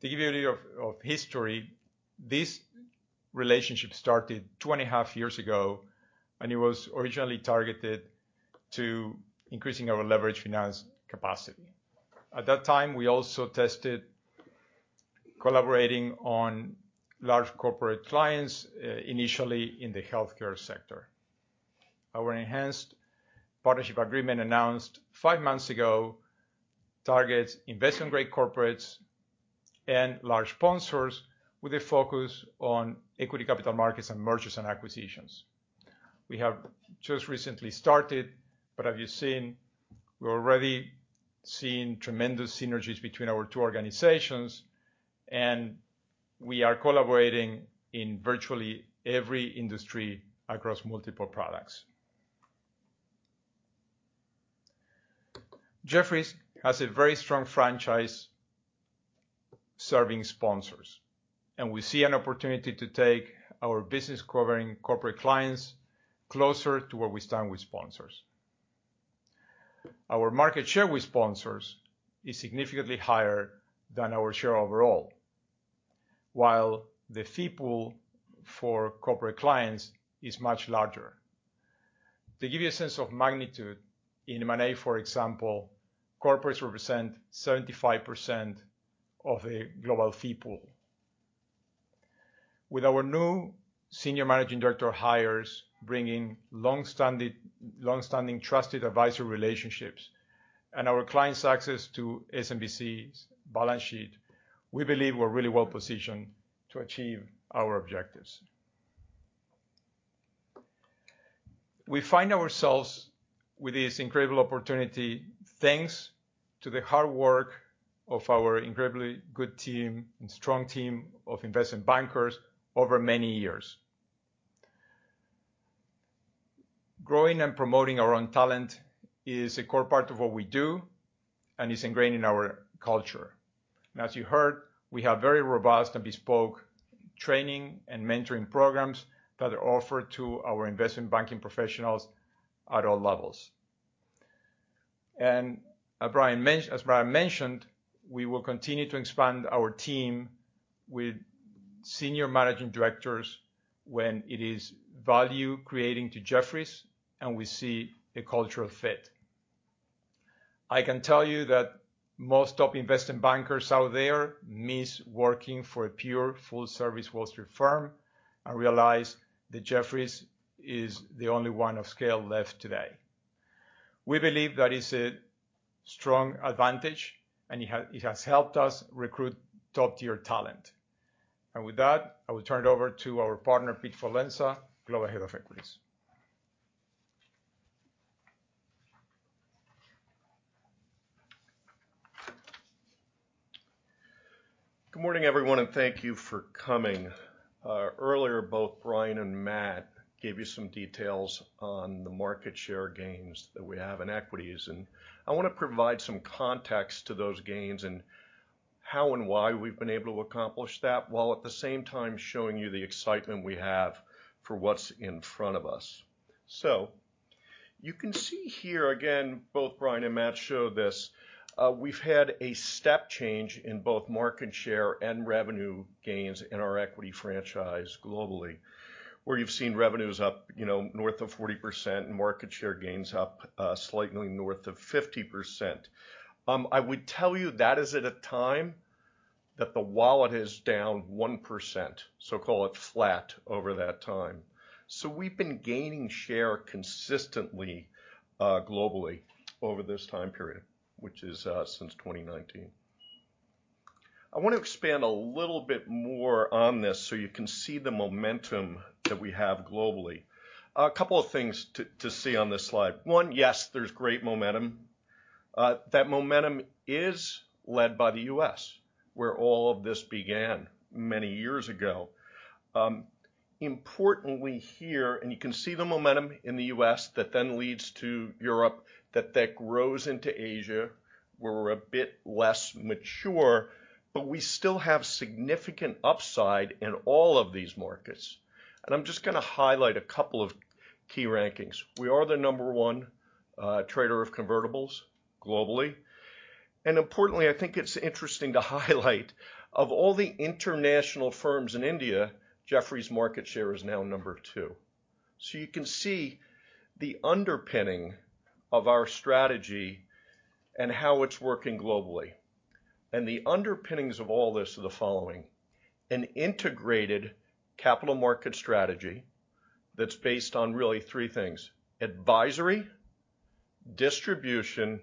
Speaker 6: To give you a little history, this relationship started 2.5 years ago, and it was originally targeted to increasing our leveraged finance capacity. At that time, we also tested collaborating on large corporate clients, initially in the healthcare sector. Our enhanced partnership agreement, announced 5 months ago, targets investment-grade corporates and large sponsors with a focus on equity capital markets and mergers and acquisitions. We have just recently started, but as you've seen, we're already seeing tremendous synergies between our two organizations, and we are collaborating in virtually every industry across multiple products. Jefferies has a very strong franchise serving sponsors, and we see an opportunity to take our business covering corporate clients closer to where we stand with sponsors. Our market share with sponsors is significantly higher than our share overall, while the fee pool for corporate clients is much larger. To give you a sense of magnitude, in M&A, for example, corporates represent 75% of the global fee pool. With our new senior managing director hires bringing long-standing trusted advisor relationships and our clients' access to SMBC's balance sheet, we believe we're really well-positioned to achieve our objectives. We find ourselves with this incredible opportunity, thanks to the hard work of our incredibly good team and strong team of investment bankers over many years. Growing and promoting our own talent is a core part of what we do and is ingrained in our culture. And as you heard, we have very robust and bespoke training and mentoring programs that are offered to our investment banking professionals at all levels. And as Brian mentioned, we will continue to expand our team with senior managing directors when it is value-creating to Jefferies, and we see a cultural fit. I can tell you that most top investment bankers out there miss working for a pure full-service Wall Street firm and realize that Jefferies is the only one of scale left today. We believe that is a strong advantage, and it has helped us recruit top-tier talent. And with that, I will turn it over to our partner, Pete Forlenza, Global Head of Equities.
Speaker 7: Good morning, everyone, and thank you for coming. Earlier, both Brian and Matt gave you some details on the market share gains that we have in equities. I want to provide some context to those gains and how and why we've been able to accomplish that, while at the same time showing you the excitement we have for what's in front of us. So you can see here again, both Brian and Matt showed this, we've had a step change in both market share and revenue gains in our equity franchise globally, where you've seen revenues up, you know, north of 40% and market share gains up, slightly north of 50%. I would tell you that is at a time that the wallet is down 1%, so call it flat over that time. So we've been gaining share consistently, globally over this time period, which is, since 2019. I want to expand a little bit more on this so you can see the momentum that we have globally. A couple of things to see on this slide. One, yes, there's great momentum. That momentum is led by the U.S., where all of this began many years ago. Importantly here, and you can see the momentum in the U.S. that then leads to Europe, that grows into Asia, where we're a bit less mature, but we still have significant upside in all of these markets. And I'm just gonna highlight a couple of key rankings. We are the number one trader of convertibles globally. And importantly, I think it's interesting to highlight, of all the international firms in India, Jefferies' market share is now number two. So you can see the underpinning of our strategy and how it's working globally. And the underpinnings of all this are the following: an integrated capital market strategy that's based on really three things, advisory, distribution, and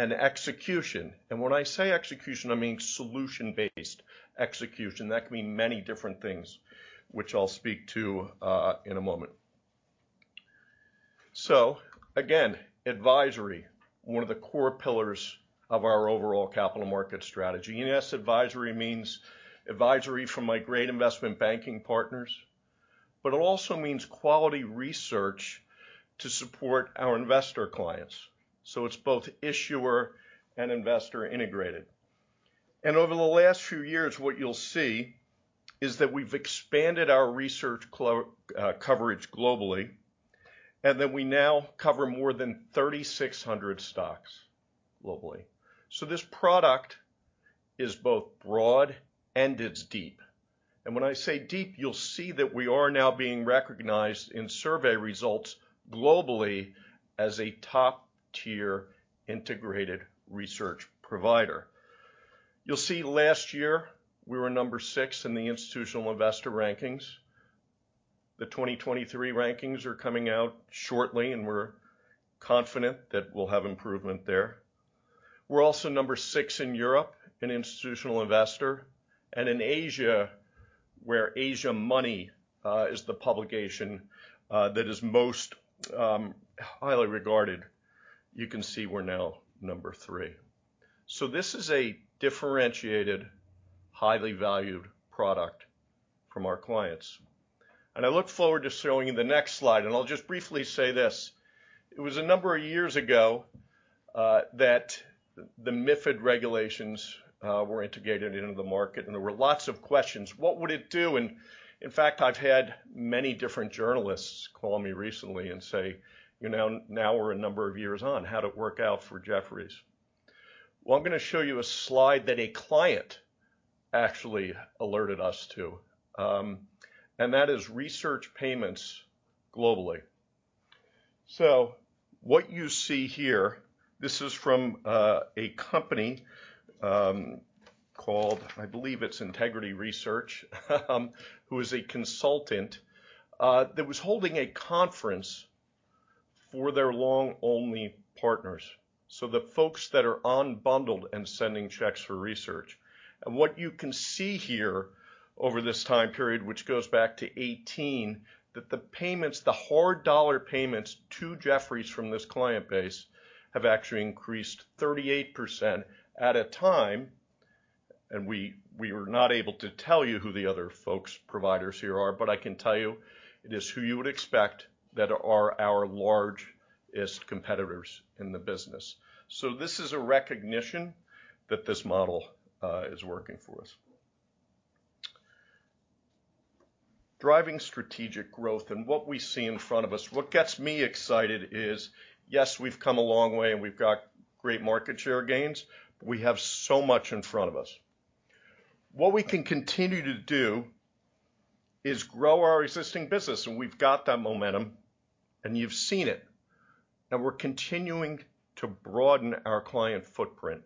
Speaker 7: execution. And when I say execution, I mean solution-based execution. That can mean many different things, which I'll speak to, in a moment. So again, advisory, one of the core pillars of our overall capital market strategy. And yes, advisory means advisory from my great investment banking partners, but it also means quality research to support our investor clients. So it's both issuer and investor integrated. And over the last few years, what you'll see is that we've expanded our research coverage globally, and that we now cover more than 3,600 stocks globally. So this product is both broad and it's deep. And when I say deep, you'll see that we are now being recognized in survey results globally as a top-tier integrated research provider. You'll see last year, we were number 6 in the Institutional Investor rankings. The 2023 rankings are coming out shortly, and we're confident that we'll have improvement there. We're also number six in Europe in Institutional Investor, and in Asia, where Asiamoney is the publication that is most highly regarded, you can see we're now number three. So this is a differentiated, highly valued product from our clients. And I look forward to showing you the next slide, and I'll just briefly say this: it was a number of years ago that the MiFID regulations were integrated into the market, and there were lots of questions. What would it do? I've had many different journalists call me recently and say, "You know, now we're a number of years on. How'd it work out for Jefferies?" Well, I'm gonna show you a slide that a client actually alerted us to, and that is research payments globally. So what you see here, this is from a company called, I believe it's Integrity Research, who is a consultant that was holding a conference for their long-only partners, so the folks that are unbundled and sending checks for research. And what you can see here over this time period, which goes back to 2018, that the payments, the hard dollar payments to Jefferies from this client base, have actually increased 38% at a time. We were not able to tell you who the other folks providers here are, but I can tell you it is who you would expect that are our largest competitors in the business. This is a recognition that this model is working for us. Driving strategic growth and what we see in front of us, what gets me excited is, yes, we've come a long way, and we've got great market share gains, but we have so much in front of us. What we can continue to do is grow our existing business, and we've got that momentum, and you've seen it. We're continuing to broaden our client footprint.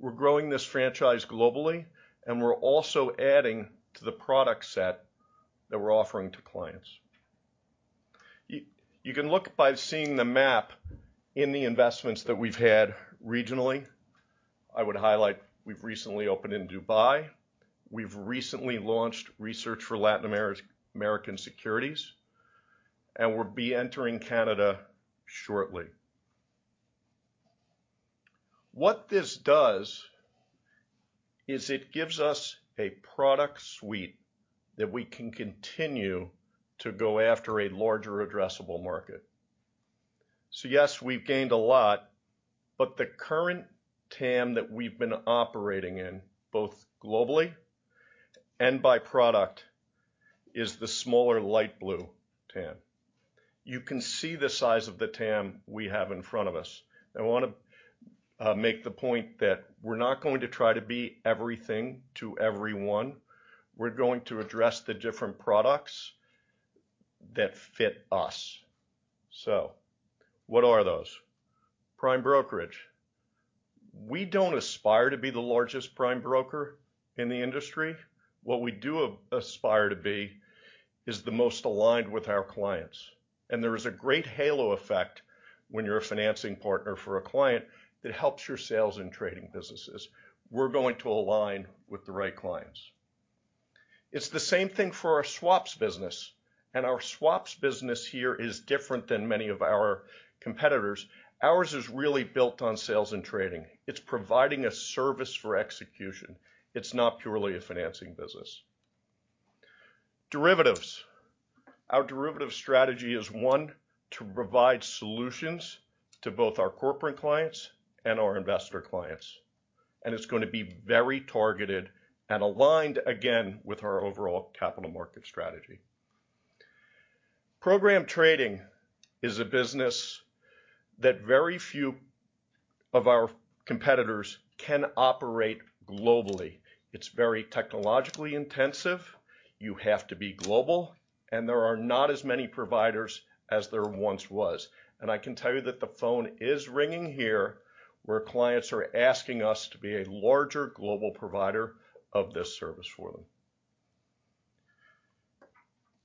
Speaker 7: We're growing this franchise globally, and we're also adding to the product set that we're offering to clients. You can look by seeing the map in the investments that we've had regionally. I would highlight, we've recently opened in Dubai, we've recently launched research for Latin American securities, and we'll be entering Canada shortly. What this does is it gives us a product suite that we can continue to go after a larger addressable market. So yes, we've gained a lot, but the current TAM that we've been operating in, both globally and by product, is the smaller light blue TAM. You can see the size of the TAM we have in front of us, and I wanna make the point that we're not going to try to be everything to everyone. We're going to address the different products that fit us. So what are those? Prime brokerage. We don't aspire to be the largest prime broker in the industry. What we aspire to be is the most aligned with our clients, and there is a great halo effect when you're a financing partner for a client that helps your sales and trading businesses. We're going to align with the right clients. It's the same thing for our swaps business, and our swaps business here is different than many of our competitors. Ours is really built on sales and trading. It's providing a service for execution. It's not purely a financing business. Derivatives. Our derivative strategy is, one, to provide solutions to both our corporate clients and our investor clients, and it's going to be very targeted and aligned again with our overall capital market strategy. Program trading is a business that very few of our competitors can operate globally. It's very technologically intensive. You have to be global, and there are not as many providers as there once was. And I can tell you that the phone is ringing here, where clients are asking us to be a larger global provider of this service for them.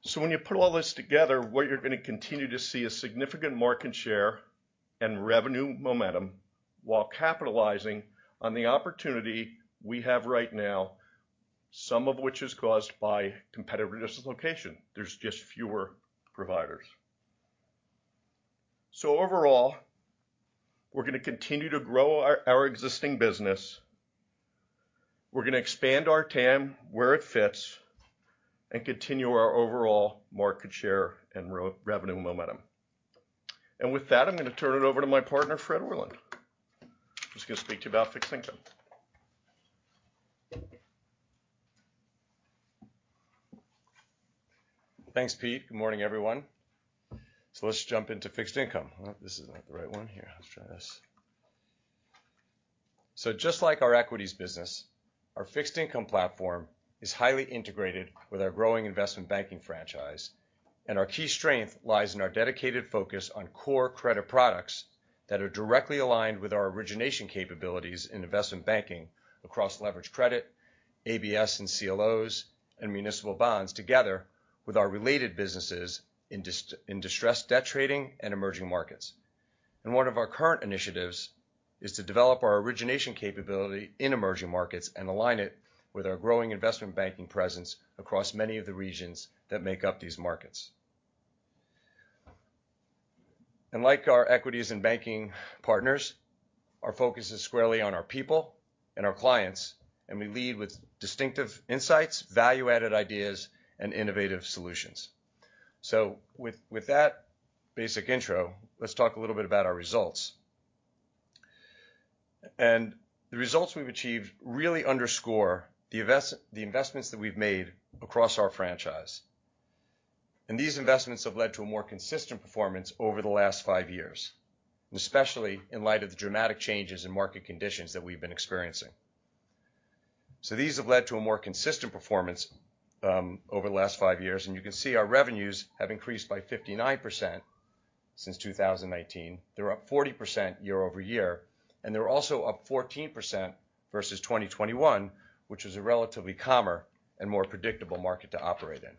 Speaker 7: So when you put all this together, what you're going to continue to see is significant market share and revenue momentum while capitalizing on the opportunity we have right now, some of which is caused by competitive dislocation. There's just fewer providers. So overall, we're gonna continue to grow our existing business. We're gonna expand our TAM where it fits and continue our overall market share and revenue momentum. And with that, I'm going to turn it over to my partner, Fred Orlan, who's going to speak to you about fixed income.
Speaker 8: Thanks, Pete. Good morning, everyone. So let's jump into fixed income. Just like our equities business, our fixed income platform is highly integrated with our growing investment banking franchise, and our key strength lies in our dedicated focus on core credit products that are directly aligned with our origination capabilities in investment banking across leveraged credit, ABS and CLOs, and municipal bonds, together with our related businesses in distressed debt trading and emerging markets. One of our current initiatives is to develop our origination capability in emerging markets and align it with our growing investment banking presence across many of the regions that make up these markets. Like our equities and banking partners, our focus is squarely on our people and our clients, and we lead with distinctive insights, value-added ideas, and innovative solutions. So with that basic intro, let's talk a little bit about our results. And the results we've achieved really underscore the investments that we've made across our franchise. And these investments have led to a more consistent performance over the last five years, especially in light of the dramatic changes in market conditions that we've been experiencing. So these have led to a more consistent performance over the last five years, and you can see our revenues have increased by 59% since 2019. They're up 40% year-over-year, and they were also up 14% versus 2021, which is a relatively calmer and more predictable market to operate in.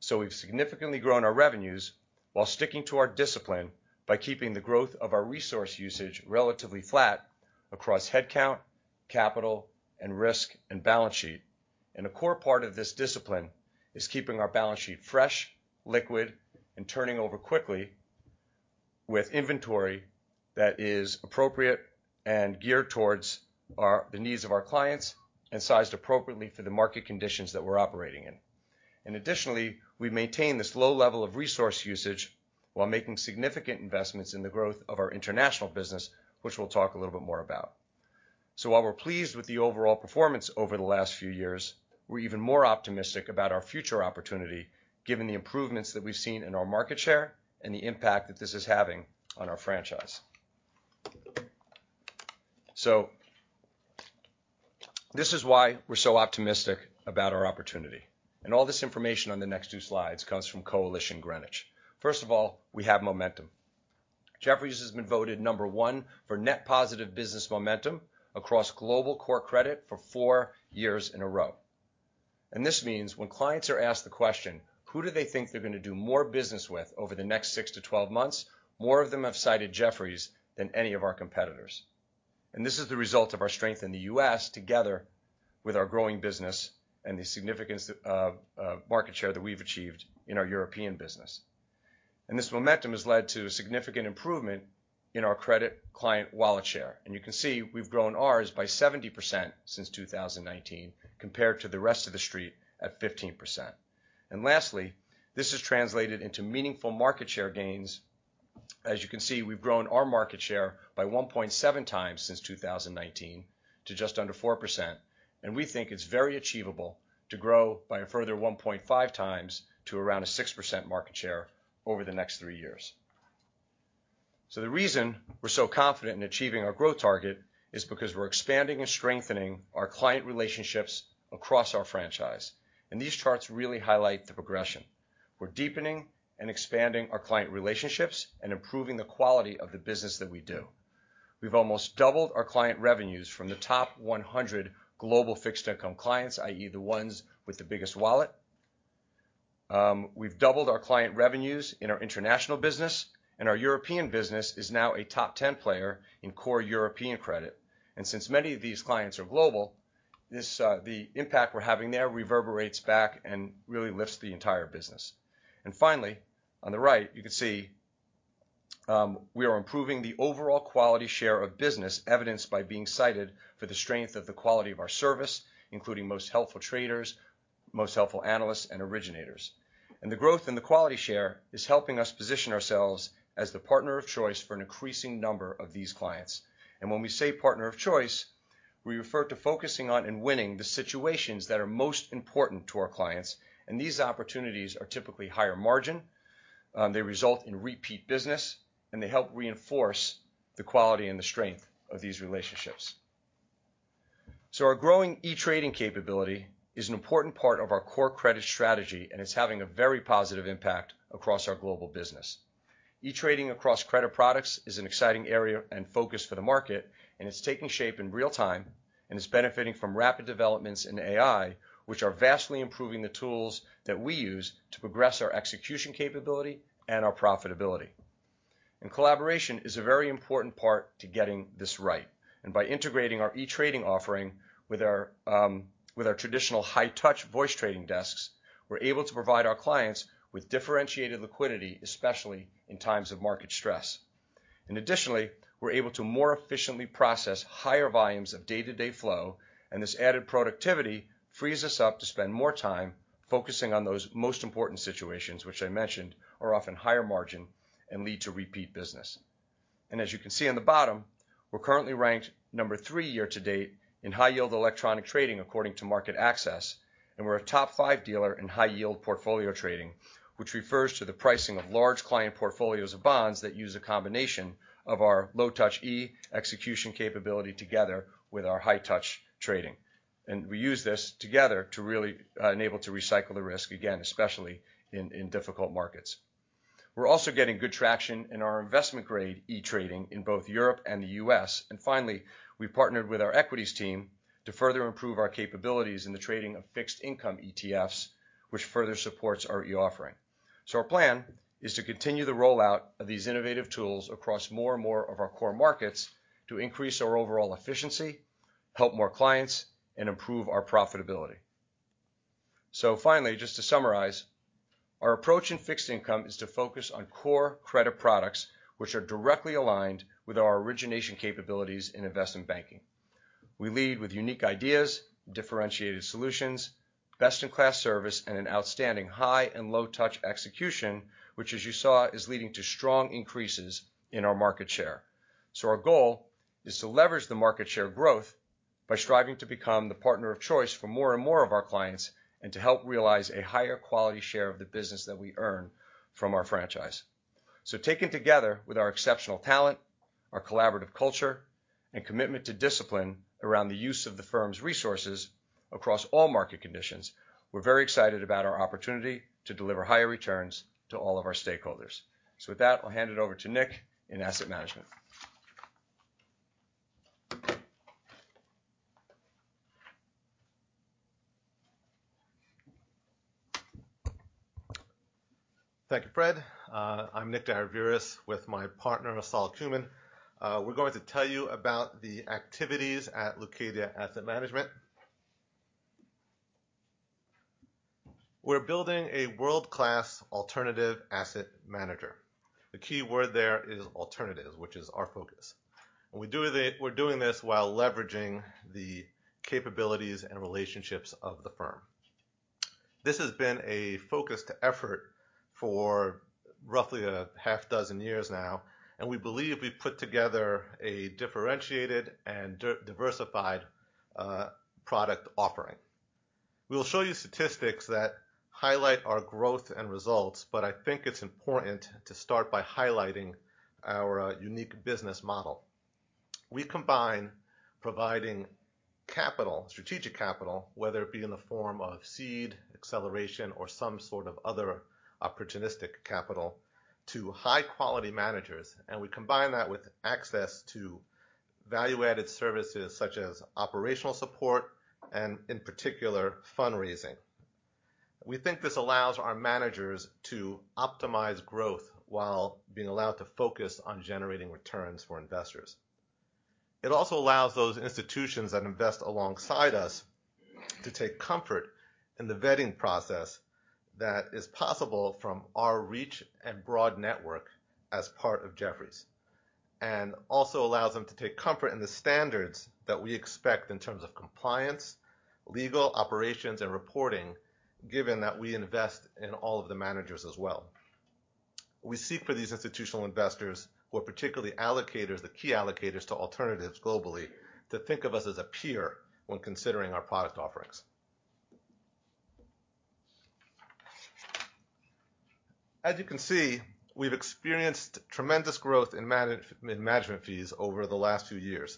Speaker 8: So we've significantly grown our revenues while sticking to our discipline by keeping the growth of our resource usage relatively flat across headcount, capital, and risk, and balance sheet. A core part of this discipline is keeping our balance sheet fresh, liquid, and turning over quickly with inventory that is appropriate and geared towards the needs of our clients, and sized appropriately for the market conditions that we're operating in. Additionally, we maintain this low level of resource usage while making significant investments in the growth of our international business, which we'll talk a little bit more about. While we're pleased with the overall performance over the last few years, we're even more optimistic about our future opportunity, given the improvements that we've seen in our market share and the impact that this is having on our franchise. This is why we're so optimistic about our opportunity, and all this information on the next two slides comes from Coalition Greenwich. First of all, we have momentum. Jefferies has been voted number one for net positive business momentum across global core credit for four years in a row. This means when clients are asked the question, who do they think they're going to do more business with over the next six to 12 months? More of them have cited Jefferies than any of our competitors. This is the result of our strength in the U.S., together with our growing business and the significance of market share that we've achieved in our European business. This momentum has led to a significant improvement in our credit client wallet share. You can see we've grown ours by 70% since 2019, compared to the rest of the street at 15%. Lastly, this has translated into meaningful market share gains. As you can see, we've grown our market share by 1.7 times since 2019 to just under 4%, and we think it's very achievable to grow by a further 1.5 times to around a 6% market share over the next three years. So the reason we're so confident in achieving our growth target is because we're expanding and strengthening our client relationships across our franchise. And these charts really highlight the progression. We're deepening and expanding our client relationships and improving the quality of the business that we do. We've almost doubled our client revenues from the top 100 global fixed income clients, i.e., the ones with the biggest wallet. We've doubled our client revenues in our international business, and our European business is now a top 10 player in core European credit. And since many of these clients are global, this, the impact we're having there reverberates back and really lifts the entire business. And finally, on the right, you can see, we are improving the overall quality share of business, evidenced by being cited for the strength of the quality of our service, including most helpful traders, most helpful analysts, and originators. And the growth in the quality share is helping us position ourselves as the partner of choice for an increasing number of these clients. And when we say partner of choice, we refer to focusing on and winning the situations that are most important to our clients. And these opportunities are typically higher margin, they result in repeat business, and they help reinforce the quality and the strength of these relationships. Our growing e-trading capability is an important part of our core credit strategy, and it's having a very positive impact across our global business. E-trading across credit products is an exciting area and focus for the market, and it's taking shape in real time and is benefiting from rapid developments in AI, which are vastly improving the tools that we use to progress our execution capability and our profitability. Collaboration is a very important part to getting this right. By integrating our e-trading offering with our traditional high-touch voice trading desks, we're able to provide our clients with differentiated liquidity, especially in times of market stress. Additionally, we're able to more efficiently process higher volumes of day-to-day flow, and this added productivity frees us up to spend more time focusing on those most important situations, which I mentioned are often higher margin and lead to repeat business. As you can see on the bottom, we're currently ranked three year to date in high-yield electronic trading, according to MarketAxess, and we're a top 5 dealer in high-yield portfolio trading, which refers to the pricing of large client portfolios of bonds that use a combination of our low touch e-execution capability together with our high-touch trading. And we use this together to really enable to recycle the risk again, especially in difficult markets. We're also getting good traction in our investment grade e-trading in both Europe and the U.S. And finally, we partnered with our equities team to further improve our capabilities in the trading of fixed income ETFs, which further supports our e-offering. So our plan is to continue the rollout of these innovative tools across more and more of our core markets to increase our overall efficiency, help more clients, and improve our profitability. So finally, just to summarize, our approach in fixed income is to focus on core credit products, which are directly aligned with our origination capabilities in investment banking. We lead with unique ideas, differentiated solutions, best-in-class service, and an outstanding high and low touch execution, which, as you saw, is leading to strong increases in our market share. Our goal is to leverage the market share growth by striving to become the partner of choice for more and more of our clients, and to help realize a higher quality share of the business that we earn from our franchise. So taken together with our exceptional talent, our collaborative culture, and commitment to discipline around the use of the firm's resources-.. across all market conditions, we're very excited about our opportunity to deliver higher returns to all of our stakeholders. With that, I'll hand it over to Nick in asset management.
Speaker 9: Thank you, Fred. I'm Nick Daraviras, with my partner, Sol Kumin. We're going to tell you about the activities at Leucadia Asset Management. We're building a world-class alternative asset manager. The key word there is alternatives, which is our focus. We're doing this while leveraging the capabilities and relationships of the firm. This has been a focused effort for roughly six years now, and we believe we've put together a differentiated and diversified product offering. We'll show you statistics that highlight our growth and results, but I think it's important to start by highlighting our unique business model. We combine providing capital, strategic capital, whether it be in the form of seed, acceleration, or some sort of other opportunistic capital, to high-quality managers, and we combine that with access to value-added services such as operational support and, in particular, fundraising. We think this allows our managers to optimize growth while being allowed to focus on generating returns for investors. It also allows those institutions that invest alongside us to take comfort in the vetting process that is possible from our reach and broad network as part of Jefferies, and also allows them to take comfort in the standards that we expect in terms of compliance, legal, operations, and reporting, given that we invest in all of the managers as well. We seek for these institutional investors, who are particularly allocators, the key allocators to alternatives globally, to think of us as a peer when considering our product offerings. As you can see, we've experienced tremendous growth in management fees over the last few years.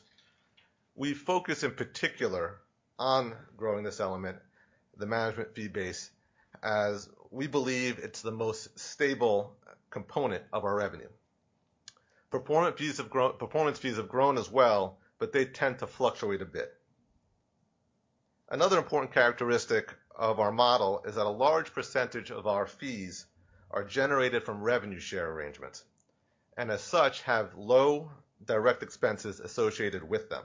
Speaker 9: We focus, in particular, on growing this element, the management fee base, as we believe it's the most stable component of our revenue. Performance fees have grown as well, but they tend to fluctuate a bit. Another important characteristic of our model is that a large percentage of our fees are generated from revenue share arrangements, and as such, have low direct expenses associated with them.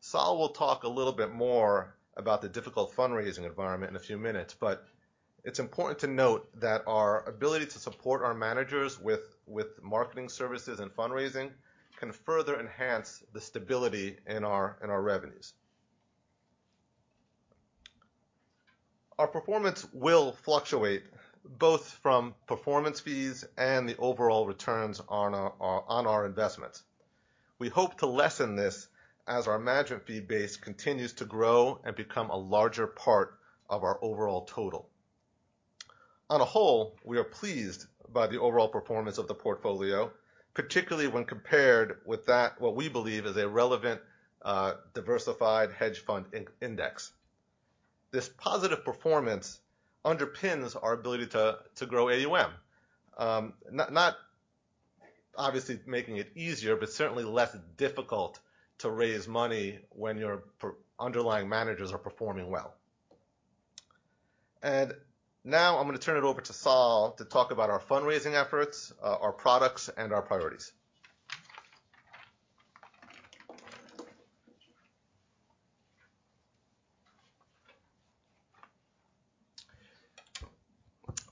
Speaker 9: Sol will talk a little bit more about the difficult fundraising environment in a few minutes, but it's important to note that our ability to support our managers with marketing services and fundraising can further enhance the stability in our revenues. Our performance will fluctuate, both from performance fees and the overall returns on our investments. We hope to lessen this as our management fee base continues to grow and become a larger part of our overall total. On the whole, we are pleased by the overall performance of the portfolio, particularly when compared with what we believe is a relevant diversified hedge fund index. This positive performance underpins our ability to grow AUM. Not obviously making it easier, but certainly less difficult to raise money when your underlying managers are performing well. And now I'm going to turn it over to Sol to talk about our fundraising efforts, our products, and our priorities.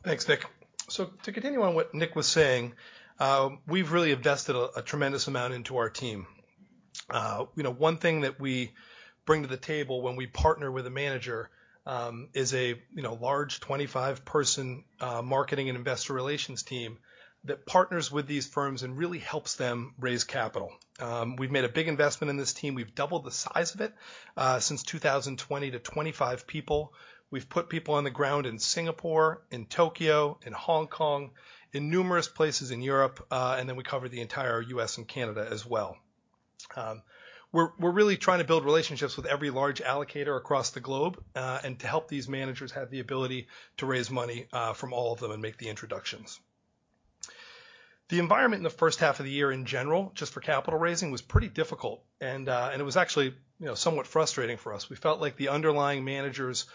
Speaker 10: Thanks, Nick. So to continue on what Nick was saying, we've really invested a tremendous amount into our team. You know, one thing that we bring to the table when we partner with a manager, is a large 25-person marketing and investor relations team that partners with these firms and really helps them raise capital. We've made a big investment in this team. We've doubled the size of it since 2020 to 25 people. We've put people on the ground in Singapore, in Tokyo, in Hong Kong, in numerous places in Europe, and then we cover the entire U.S. and Canada as well. We're really trying to build relationships with every large allocator across the globe, and to help these managers have the ability to raise money from all of them and make the introductions. The environment in the first half of the year, in general, just for capital raising, was pretty difficult, and it was actually, you know, somewhat frustrating for us. We felt like the underlying managers'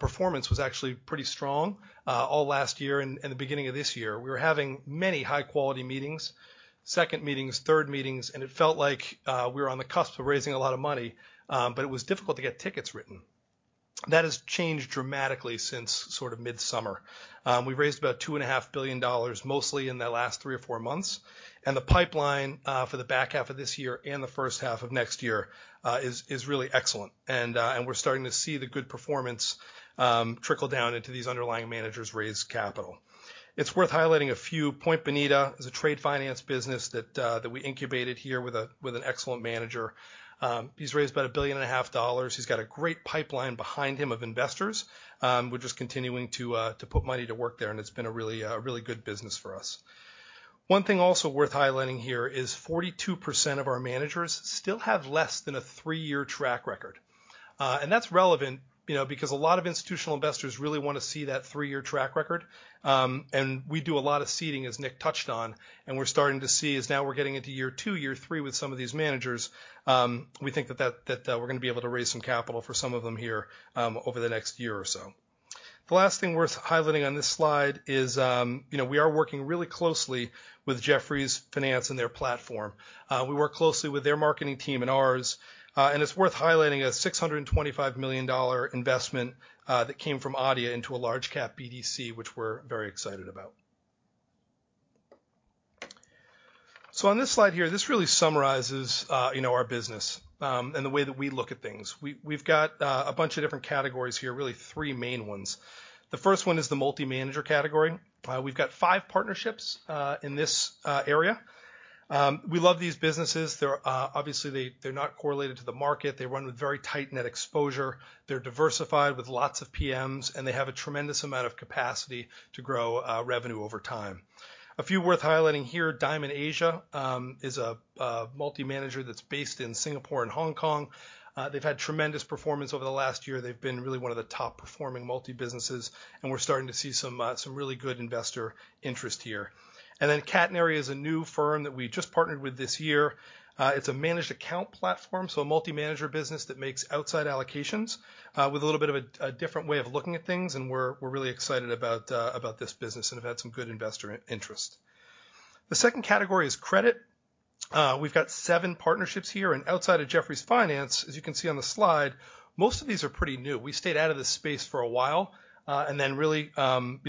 Speaker 10: performance was actually pretty strong, all last year and the beginning of this year. We were having many high-quality meetings, second meetings, third meetings, and it felt like we were on the cusp of raising a lot of money, but it was difficult to get tickets written. That has changed dramatically since sort of mid-summer. We've raised about $2.5 billion, mostly in the last three or four months, and the pipeline for the back half of this year and the first half of next year is really excellent. We're starting to see the good performance trickle down into these underlying managers' raised capital. It's worth highlighting a few. Point Bonita is a trade finance business that we incubated here with an excellent manager. He's raised about $1.5 billion. He's got a great pipeline behind him of investors. We're just continuing to put money to work there, and it's been a really good business for us. One thing also worth highlighting here is 42% of our managers still have less than a three-year track record. And that's relevant, you know, because a lot of institutional investors really want to see that three-year track record. We do a lot of seeding, as Nick touched on, and we're starting to see now we're getting into year two, year three with some of these managers. We think that we're gonna be able to raise some capital for some of them here over the next year or so. The last thing worth highlighting on this slide is, you know, we are working really closely with Jefferies Finance and their platform. We work closely with their marketing team and ours, and it's worth highlighting a $625 million investment that came from ADIA into a large cap BDC, which we're very excited about. So on this slide here, this really summarizes, you know, our business, and the way that we look at things. We've got a bunch of different categories here, really three main ones. The first one is the multi-manager category. We've got five partnerships in this area. We love these businesses. They're obviously not correlated to the market. They run with very tight-knit exposure. They're diversified with lots of PMs, and they have a tremendous amount of capacity to grow revenue over time. A few worth highlighting here, Dymon Asia is a multi-manager that's based in Singapore and Hong Kong. They've had tremendous performance over the last year. They've been really one of the top-performing multi businesses, and we're starting to see some really good investor interest here. And then Catenary is a new firm that we just partnered with this year. It's a managed account platform, so a multi-manager business that makes outside allocations with a little bit of a different way of looking at things, and we're really excited about this business and have had some good investor interest. The second category is credit. We've got seven partnerships here, and outside of Jefferies Finance, as you can see on the slide, most of these are pretty new. We stayed out of this space for a while, and then really, you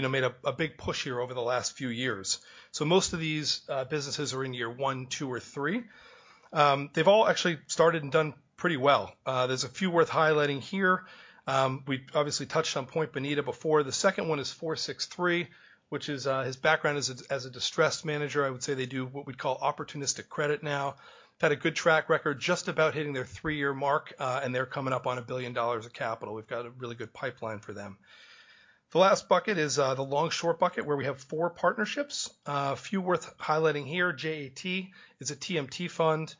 Speaker 10: know, made a big push here over the last few years. So most of these businesses are in year one, two, or three. They've all actually started and done pretty well. There's a few worth highlighting here. We obviously touched on Point Benita before. The second one is 463, which is, his background as a distressed manager, I would say they do what we'd call opportunistic credit now. Had a good track record, just about hitting their three-year mark, and they're coming up on $1 billion of capital. We've got a really good pipeline for them. The last bucket is, the long-short bucket, where we have four partnerships. A few worth highlighting here. J&T is a TMT fund.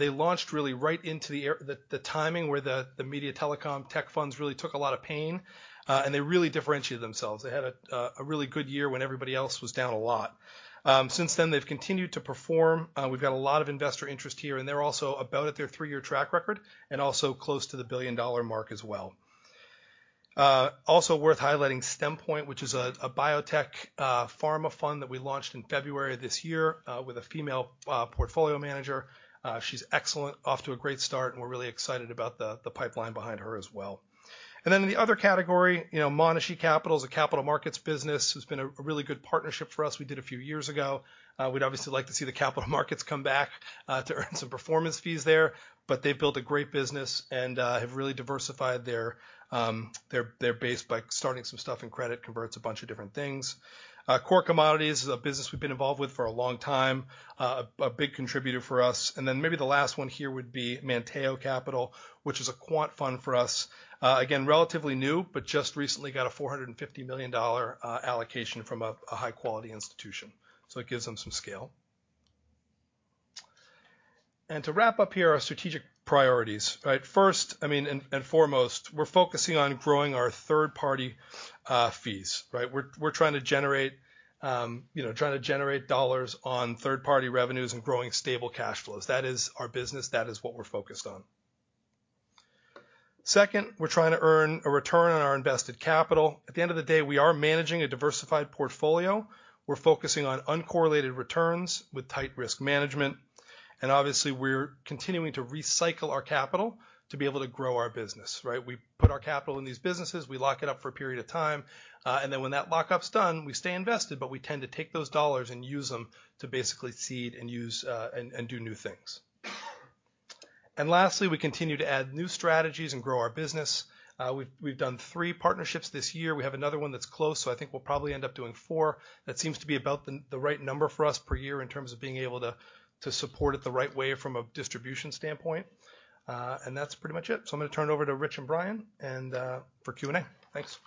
Speaker 10: They launched really right into the timing where the media telecom tech funds really took a lot of pain, and they really differentiated themselves. They had a really good year when everybody else was down a lot. Since then, they've continued to perform, we've got a lot of investor interest here, and they're also about at their three-year track record and also close to the billion-dollar mark as well. Also worth highlighting, Sthenos, which is a biotech pharma fund that we launched in February of this year with a female portfolio manager. She's excellent, off to a great start, and we're really excited about the pipeline behind her as well. Then in the other category, you know, Monashee Capita is a capital markets business who's been a really good partnership for us. We did a few years ago. We'd obviously like to see the capital markets come back to earn some performance fees there, but they've built a great business and have really diversified their their base by starting some stuff in credit, converts a bunch of different things. CoreCommodity is a business we've been involved with for a long time, a big contributor for us. And then maybe the last one here would be Manteio Capital, which is a quant fund for us. Again, relatively new, but just recently got a $450 million allocation from a high-quality institution, so it gives them some scale. And to wrap up here, our strategic priorities, right? First, I mean, foremost, we're focusing on growing our third-party fees, right? We're trying to generate, you know, dollars on third-party revenues and growing stable cash flows. That is our business. That is what we're focused on. Second, we're trying to earn a return on our invested capital. At the end of the day, we are managing a diversified portfolio. We're focusing on uncorrelated returns with tight risk management, and obviously, we're continuing to recycle our capital to be able to grow our business, right? We put our capital in these businesses, we lock it up for a period of time, and then when that lockup's done, we stay invested, but we tend to take those dollars and use them to basically seed and use, and do new things. And lastly, we continue to add new strategies and grow our business. We've done three partnerships this year. We have another one that's close, so I think we'll probably end up doing four. That seems to be about the right number for us per year in terms of being able to support it the right way from a distribution standpoint. And that's pretty much it. So I'm gonna turn it over to Rich and Brian, and for Q&A. Thanks.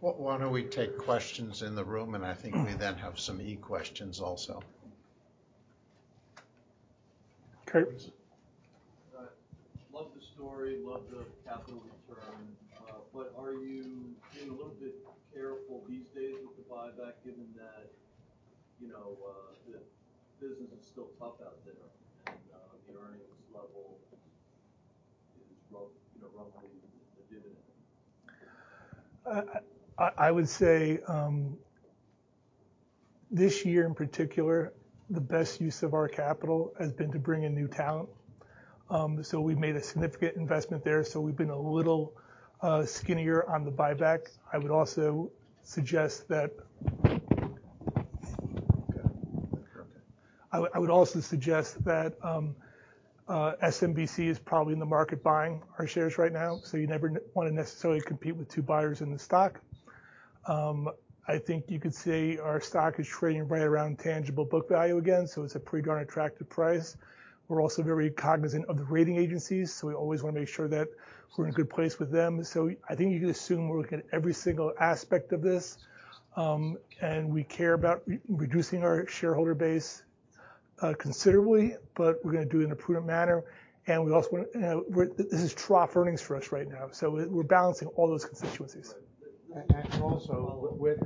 Speaker 1: Why don't we take questions in the room, and I think we then have some E questions also.
Speaker 10: Curtis.
Speaker 11: Love the story, love the capital return, but are you being a little bit careful these days with the buyback, given that, you know, the business is still tough out there, and the earnings level is, you know, roughly the dividend?
Speaker 10: I would say this year in particular, the best use of our capital has been to bring in new talent. So we've made a significant investment there, so we've been a little skinnier on the buyback. I would also suggest that-
Speaker 11: Okay.
Speaker 10: I would, I would also suggest that, SMBC is probably in the market buying our shares right now, so you never want to necessarily compete with two buyers in the stock. I think you could say our stock is trading right around tangible book value again, so it's a pretty darn attractive price. We're also very cognizant of the rating agencies, so we always want to make sure that we're in a good place with them. So I think you can assume we're looking at every single aspect of this, and we care about reducing our shareholder base considerably, but we're going to do it in a prudent manner. And we also want. We're this is trough earnings for us right now, so we're balancing all those constituencies.
Speaker 2: And also with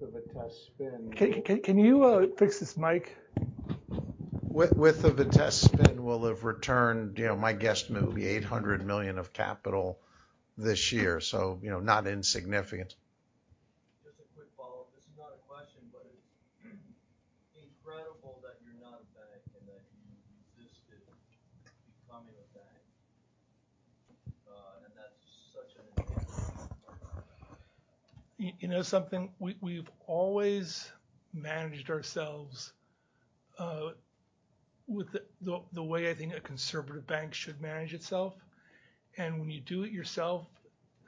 Speaker 2: the Vitesse spin
Speaker 1: Can you fix this mic?
Speaker 2: With the Vitesse spin, we'll have returned, you know, my guess maybe $800 million of capital this year, so, you know, not insignificant.
Speaker 11: Just a quick follow-up. This is not a question, but it's incredible that you're not a bank and that you resisted becoming a bank. And that's such an
Speaker 1: You know something? We've always managed ourselves with the way I think a conservative bank should manage itself. And when you do it yourself,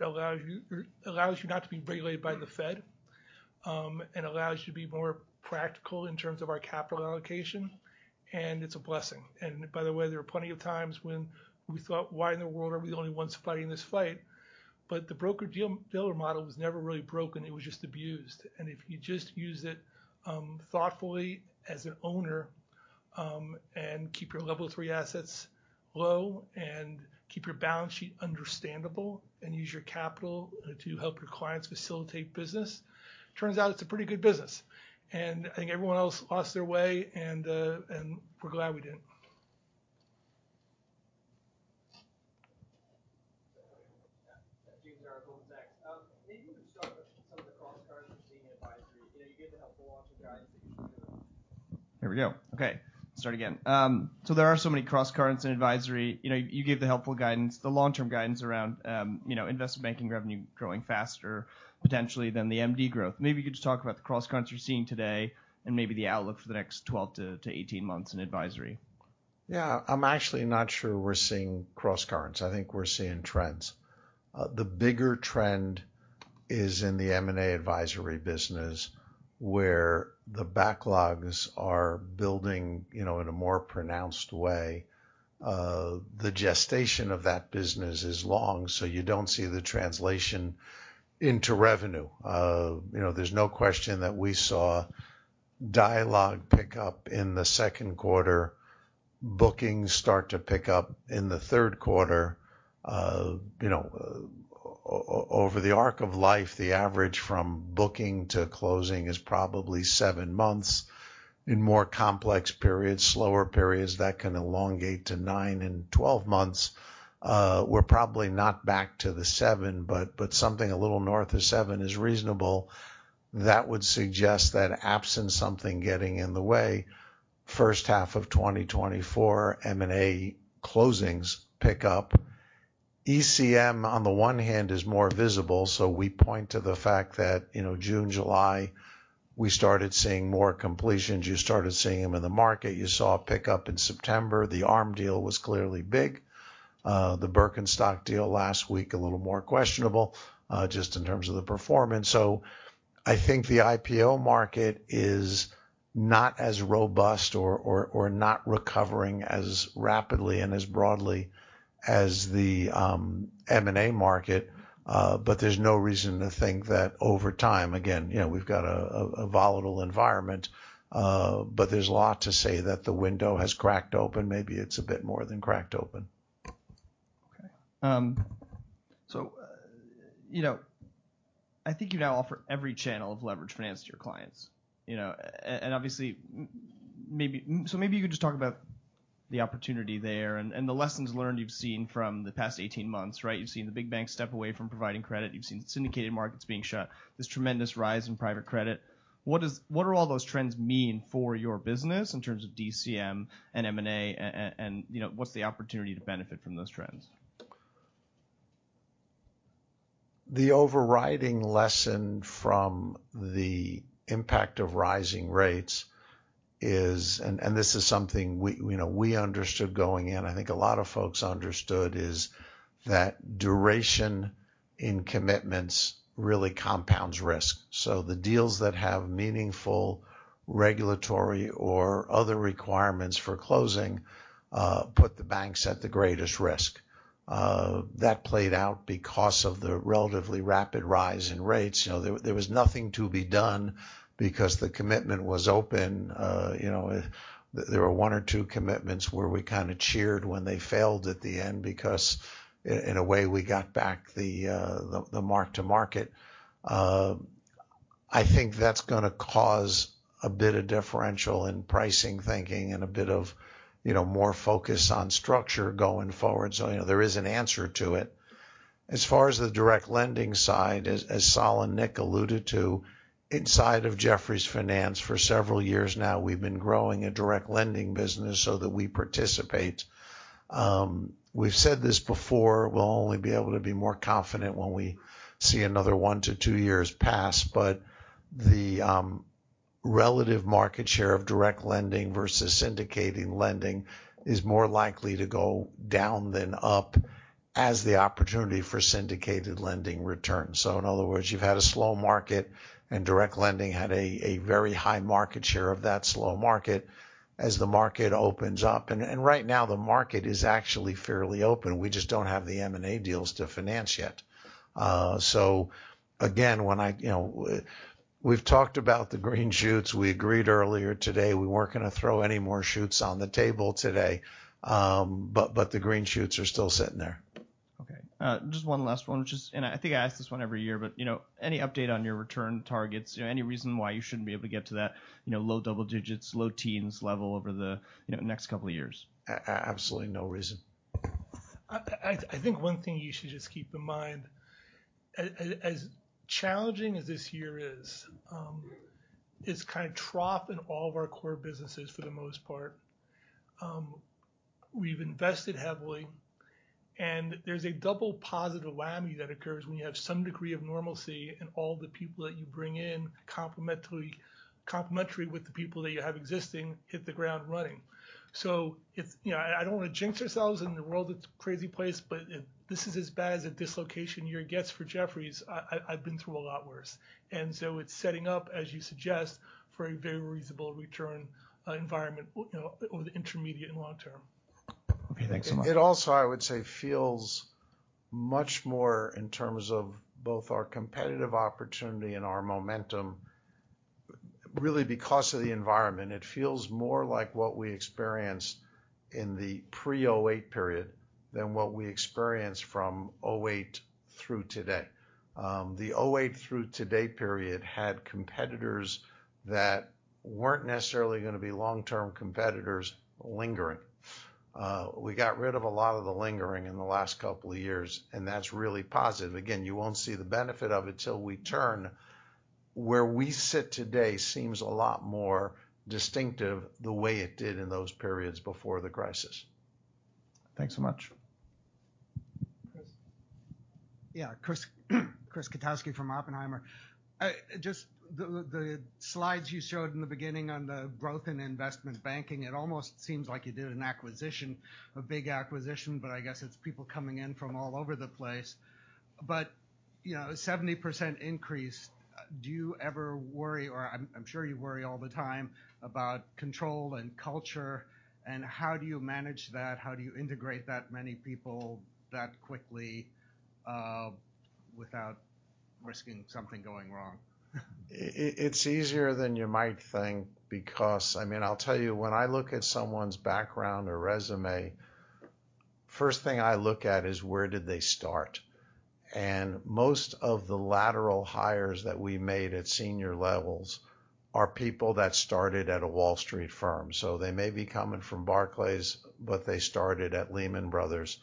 Speaker 1: it allows you not to be regulated by the Fed, and allows you to be more practical in terms of our capital allocation, and it's a blessing. And by the way, there are plenty of times when we thought, "Why in the world are we the only ones fighting this fight?" But the broker-dealer model was never really broken; it was just abused. And if you just use it thoughtfully as an owner, and keep your Level Three assets low, and keep your balance sheet understandable, and use your capital to help your clients facilitate business, turns out it's a pretty good business. I think everyone else lost their way, and we're glad we didn't.
Speaker 12: James Yaro, Goldman Sachs. So there are so many cross currents in advisory. You know, you gave the helpful guidance, the long-term guidance around, you know, investment banking revenue growing faster potentially than the MD growth. Maybe you could just talk about the cross currents you're seeing today and maybe the outlook for the next 12 to 18 months in advisory.
Speaker 2: Yeah. I'm actually not sure we're seeing cross currents. I think we're seeing trends. The bigger trend is in the M&A advisory business, where the backlogs are building, you know, in a more pronounced way. The gestation of that business is long, so you don't see the translation into revenue. You know, there's no question that we saw dialogue pick up in the second quarter, bookings start to pick up in the third quarter. You know, over the arc of life, the average from booking to closing is probably 7 months. In more complex periods, slower periods, that can elongate to 9 and 12 months. We're probably not back to the 7, but something a little north of 7 is reasonable. That would suggest that absent something getting in the way, first half of 2024 M&A closings pick up. ECM, on the one hand, is more visible, so we point to the fact that, you know, June, July, we started seeing more completions. You started seeing them in the market. You saw a pickup in September. The Arm deal was clearly big. The Birkenstock deal last week, a little more questionable, just in terms of the performance. So I think the IPO market is not as robust or not recovering as rapidly and as broadly as the M&A market. But there's no reason to think that over time again, you know, we've got a volatile environment, but there's a lot to say that the window has cracked open. Maybe it's a bit more than cracked open.
Speaker 12: Okay. So, you know, I think you now offer every channel of leveraged finance to your clients, you know, and obviously, maybe so maybe you could just talk about the opportunity there and, and the lessons learned you've seen from the past eighteen months, right? You've seen the big banks step away from providing credit. You've seen syndicated markets being shut, this tremendous rise in private credit. What does—what do all those trends mean for your business in terms of DCM and M&A, and, you know, what's the opportunity to benefit from those trends?
Speaker 2: The overriding lesson from the impact of rising rates is, and this is something we, you know, we understood going in, I think a lot of folks understood, is that duration in commitments really compounds risk. So the deals that have meaningful regulatory or other requirements for closing put the banks at the greatest risk. That played out because of the relatively rapid rise in rates. You know, there was nothing to be done because the commitment was open. You know, there were one or two commitments where we kind of cheered when they failed at the end because in a way, we got back the, the mark to market. I think that's gonna cause a bit of differential in pricing thinking and a bit of, you know, more focus on structure going forward. So, you know, there is an answer to it. As far as the direct lending side, as Sol and Nick alluded to, inside of Jefferies Finance for several years now, we've been growing a direct lending business so that we participate. We've said this before, we'll only be able to be more confident when we see another one to two years pass, but the relative market share of direct lending versus syndicated lending is more likely to go down than up as the opportunity for syndicated lending returns. So in other words, you've had a slow market, and direct lending had a very high market share of that slow market as the market opens up. And right now, the market is actually fairly open. We just don't have the M&A deals to finance yet. So again, when I, you know, we've talked about the green shoots. We agreed earlier today, we weren't gonna throw any more shoots on the table today. But, but the green shoots are still sitting there.
Speaker 12: Okay. Just one last one, just and I think I ask this one every year, but, you know, any update on your return targets? Any reason why you shouldn't be able to get to that, you know, low double digits, low teens level over the, you know, next couple of years?
Speaker 2: Absolutely no reason.
Speaker 1: I think one thing you should just keep in mind, as challenging as this year is, it's kind of trough in all of our core businesses for the most part. We've invested heavily, and there's a double positive whammy that occurs when you have some degree of normalcy, and all the people that you bring in, complementary with the people that you have existing, hit the ground running. So it's... You know, I don't want to jinx ourselves, and the world is a crazy place, but if this is as bad as a dislocation year gets for Jefferies, I've been through a lot worse. And so it's setting up, as you suggest, for a very reasonable return environment, you know, over the intermediate and long term.
Speaker 12: Okay, thanks so much.
Speaker 2: It also, I would say, feels much more in terms of both our competitive opportunity and our momentum. Really, because of the environment, it feels more like what we experienced in the pre-2008 period than what we experienced from 2008 through today. The 2008 through today period had competitors that weren't necessarily going to be long-term competitors lingering. We got rid of a lot of the lingering in the last couple of years, and that's really positive. Again, you won't see the benefit of it till we turn. Where we sit today seems a lot more distinctive the way it did in those periods before the crisis.
Speaker 12: Thanks so much. Chris.
Speaker 13: Yeah, Chris, Chris Kotowski from Oppenheimer. Just the slides you showed in the beginning on the growth in investment banking, it almost seems like you did an acquisition, a big acquisition, but I guess it's people coming in from all over the place. But, you know, 70% increase, do you ever worry or I'm sure you worry all the time about control and culture, and how do you manage that? How do you integrate that many people that quickly, without risking something going wrong?
Speaker 2: It's easier than you might think because I mean, I'll tell you, when I look at someone's background or resume, first thing I look at is where did they start? And most of the lateral hires that we made at senior levels are people that started at a Wall Street firm. So they may be coming from Barclays, but they started at Lehman Brothers.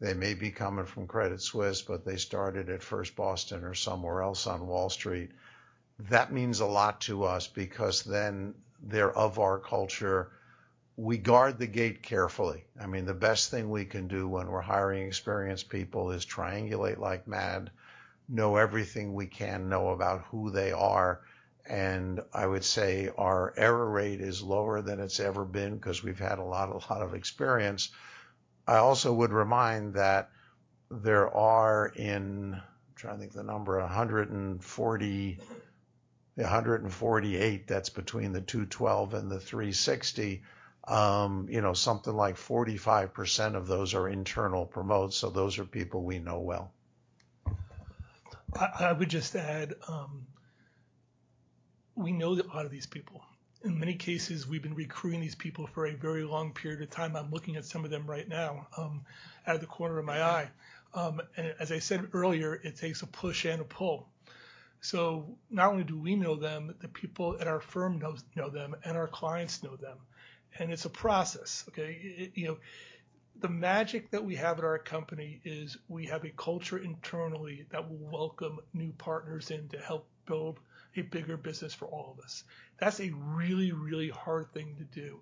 Speaker 2: They may be coming from Credit Suisse, but they started at First Boston or somewhere else on Wall Street. That means a lot to us because then they're of our culture. We guard the gate carefully. I mean, the best thing we can do when we're hiring experienced people is triangulate like mad, know everything we can know about who they are, and I would say our error rate is lower than it's ever been because we've had a lot, a lot of experience. I also would remind that there are. I'm trying to think of the number, 148, that's between the 212 and the 360. You know, something like 45% of those are internal promotes, so those are people we know well.
Speaker 1: I would just add, we know a lot of these people. In many cases, we've been recruiting these people for a very long period of time. I'm looking at some of them right now, out of the corner of my eye. And as I said earlier, it takes a push and a pull. So not only do we know them, the people at our firm know them, and our clients know them. And it's a process, okay? You know, the magic that we have at our company is we have a culture internally that will welcome new partners in to help build a bigger business for all of us. That's a really, really hard thing to do.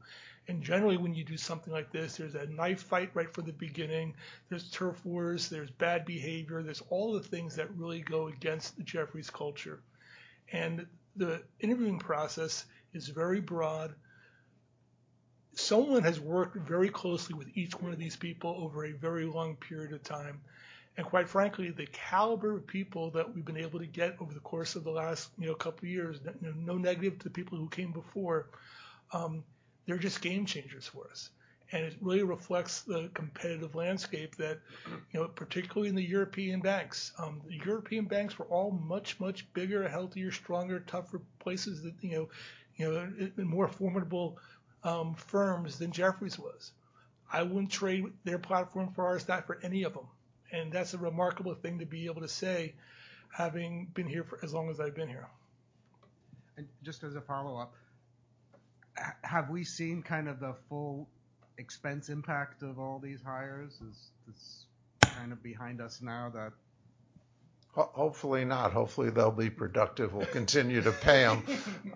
Speaker 1: Generally, when you do something like this, there's a knife fight right from the beginning, there's turf wars, there's bad behavior, there's all the things that really go against the Jefferies culture. The interviewing process is very broad. Someone has worked very closely with each one of these people over a very long period of time. Quite frankly, the caliber of people that we've been able to get over the course of the last, you know, couple of years, no negative to the people who came before, they're just game changers for us. It really reflects the competitive landscape that, you know, particularly in the European banks. The European banks were all much, much bigger, healthier, stronger, tougher places than, you know, you know, and more formidable firms than Jefferies was. I wouldn't trade their platform for ours, not for any of them. That's a remarkable thing to be able to say, having been here for as long as I've been here.
Speaker 13: Just as a follow-up, have we seen kind of the full expense impact of all these hires? Is this kind of behind us now that-
Speaker 2: Hopefully not. Hopefully, they'll be productive. We'll continue to pay them.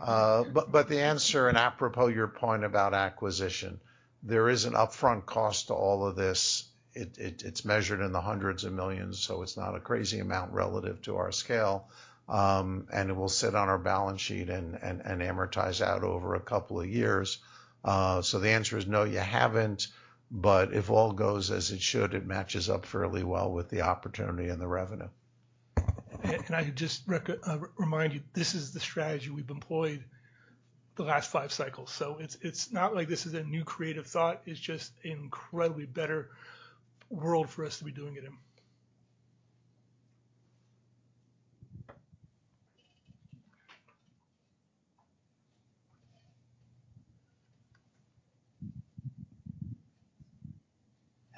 Speaker 2: But the answer, and apropos your point about acquisition, there is an upfront cost to all of this. It's measured in the hundreds of millions, so it's not a crazy amount relative to our scale. And it will sit on our balance sheet and amortize out over a couple of years. So the answer is no, you haven't, but if all goes as it should, it matches up fairly well with the opportunity and the revenue.
Speaker 1: Can I just remind you, this is the strategy we've employed the last five cycles, so it's, it's not like this is a new creative thought. It's just incredibly better world for us to be doing it in.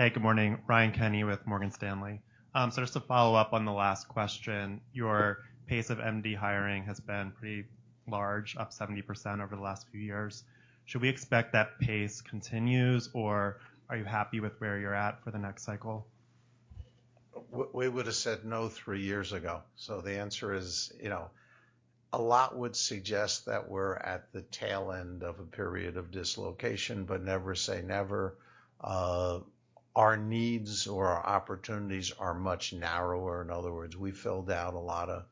Speaker 14: Hey, good morning. Ryan Kenny with Morgan Stanley. So just to follow up on the last question, your pace of MD hiring has been pretty large, up 70% over the last few years. Should we expect that pace continues, or are you happy with where you're at for the next cycle?
Speaker 2: We, we would have said no three years ago. So the answer is, you know, a lot would suggest that we're at the tail end of a period of dislocation but never say never. Our needs or our opportunities are much narrower. In other words, we filled out a lot of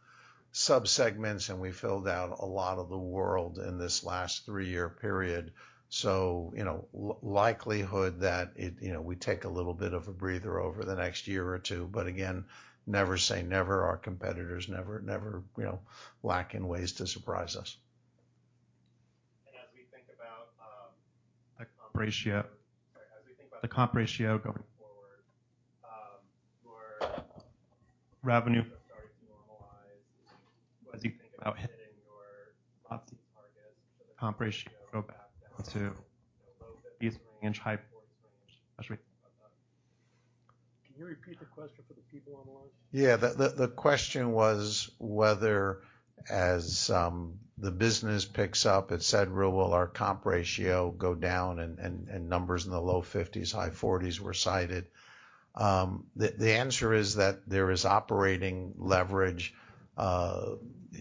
Speaker 2: subsegments, and we filled out a lot of the world in this last three-year period. So, you know, likelihood that it, you know, we take a little bit of a breather over the next year or two. But again, never say never. Our competitors never, never, you know, lack in ways to surprise us.
Speaker 14: As we think about the comp ratio. As we think about the comp ratio going forward, your revenue starting to normalize, as you think about hitting your targets, comp ratio go back to low fifties range, high forties range.
Speaker 1: Can you repeat the question for the people on the line?
Speaker 2: Yeah. The question was whether as the business picks up at Leucadia, will our comp ratio go down, and numbers in the low 50s, high 40s were cited. The answer is that there is operating leverage.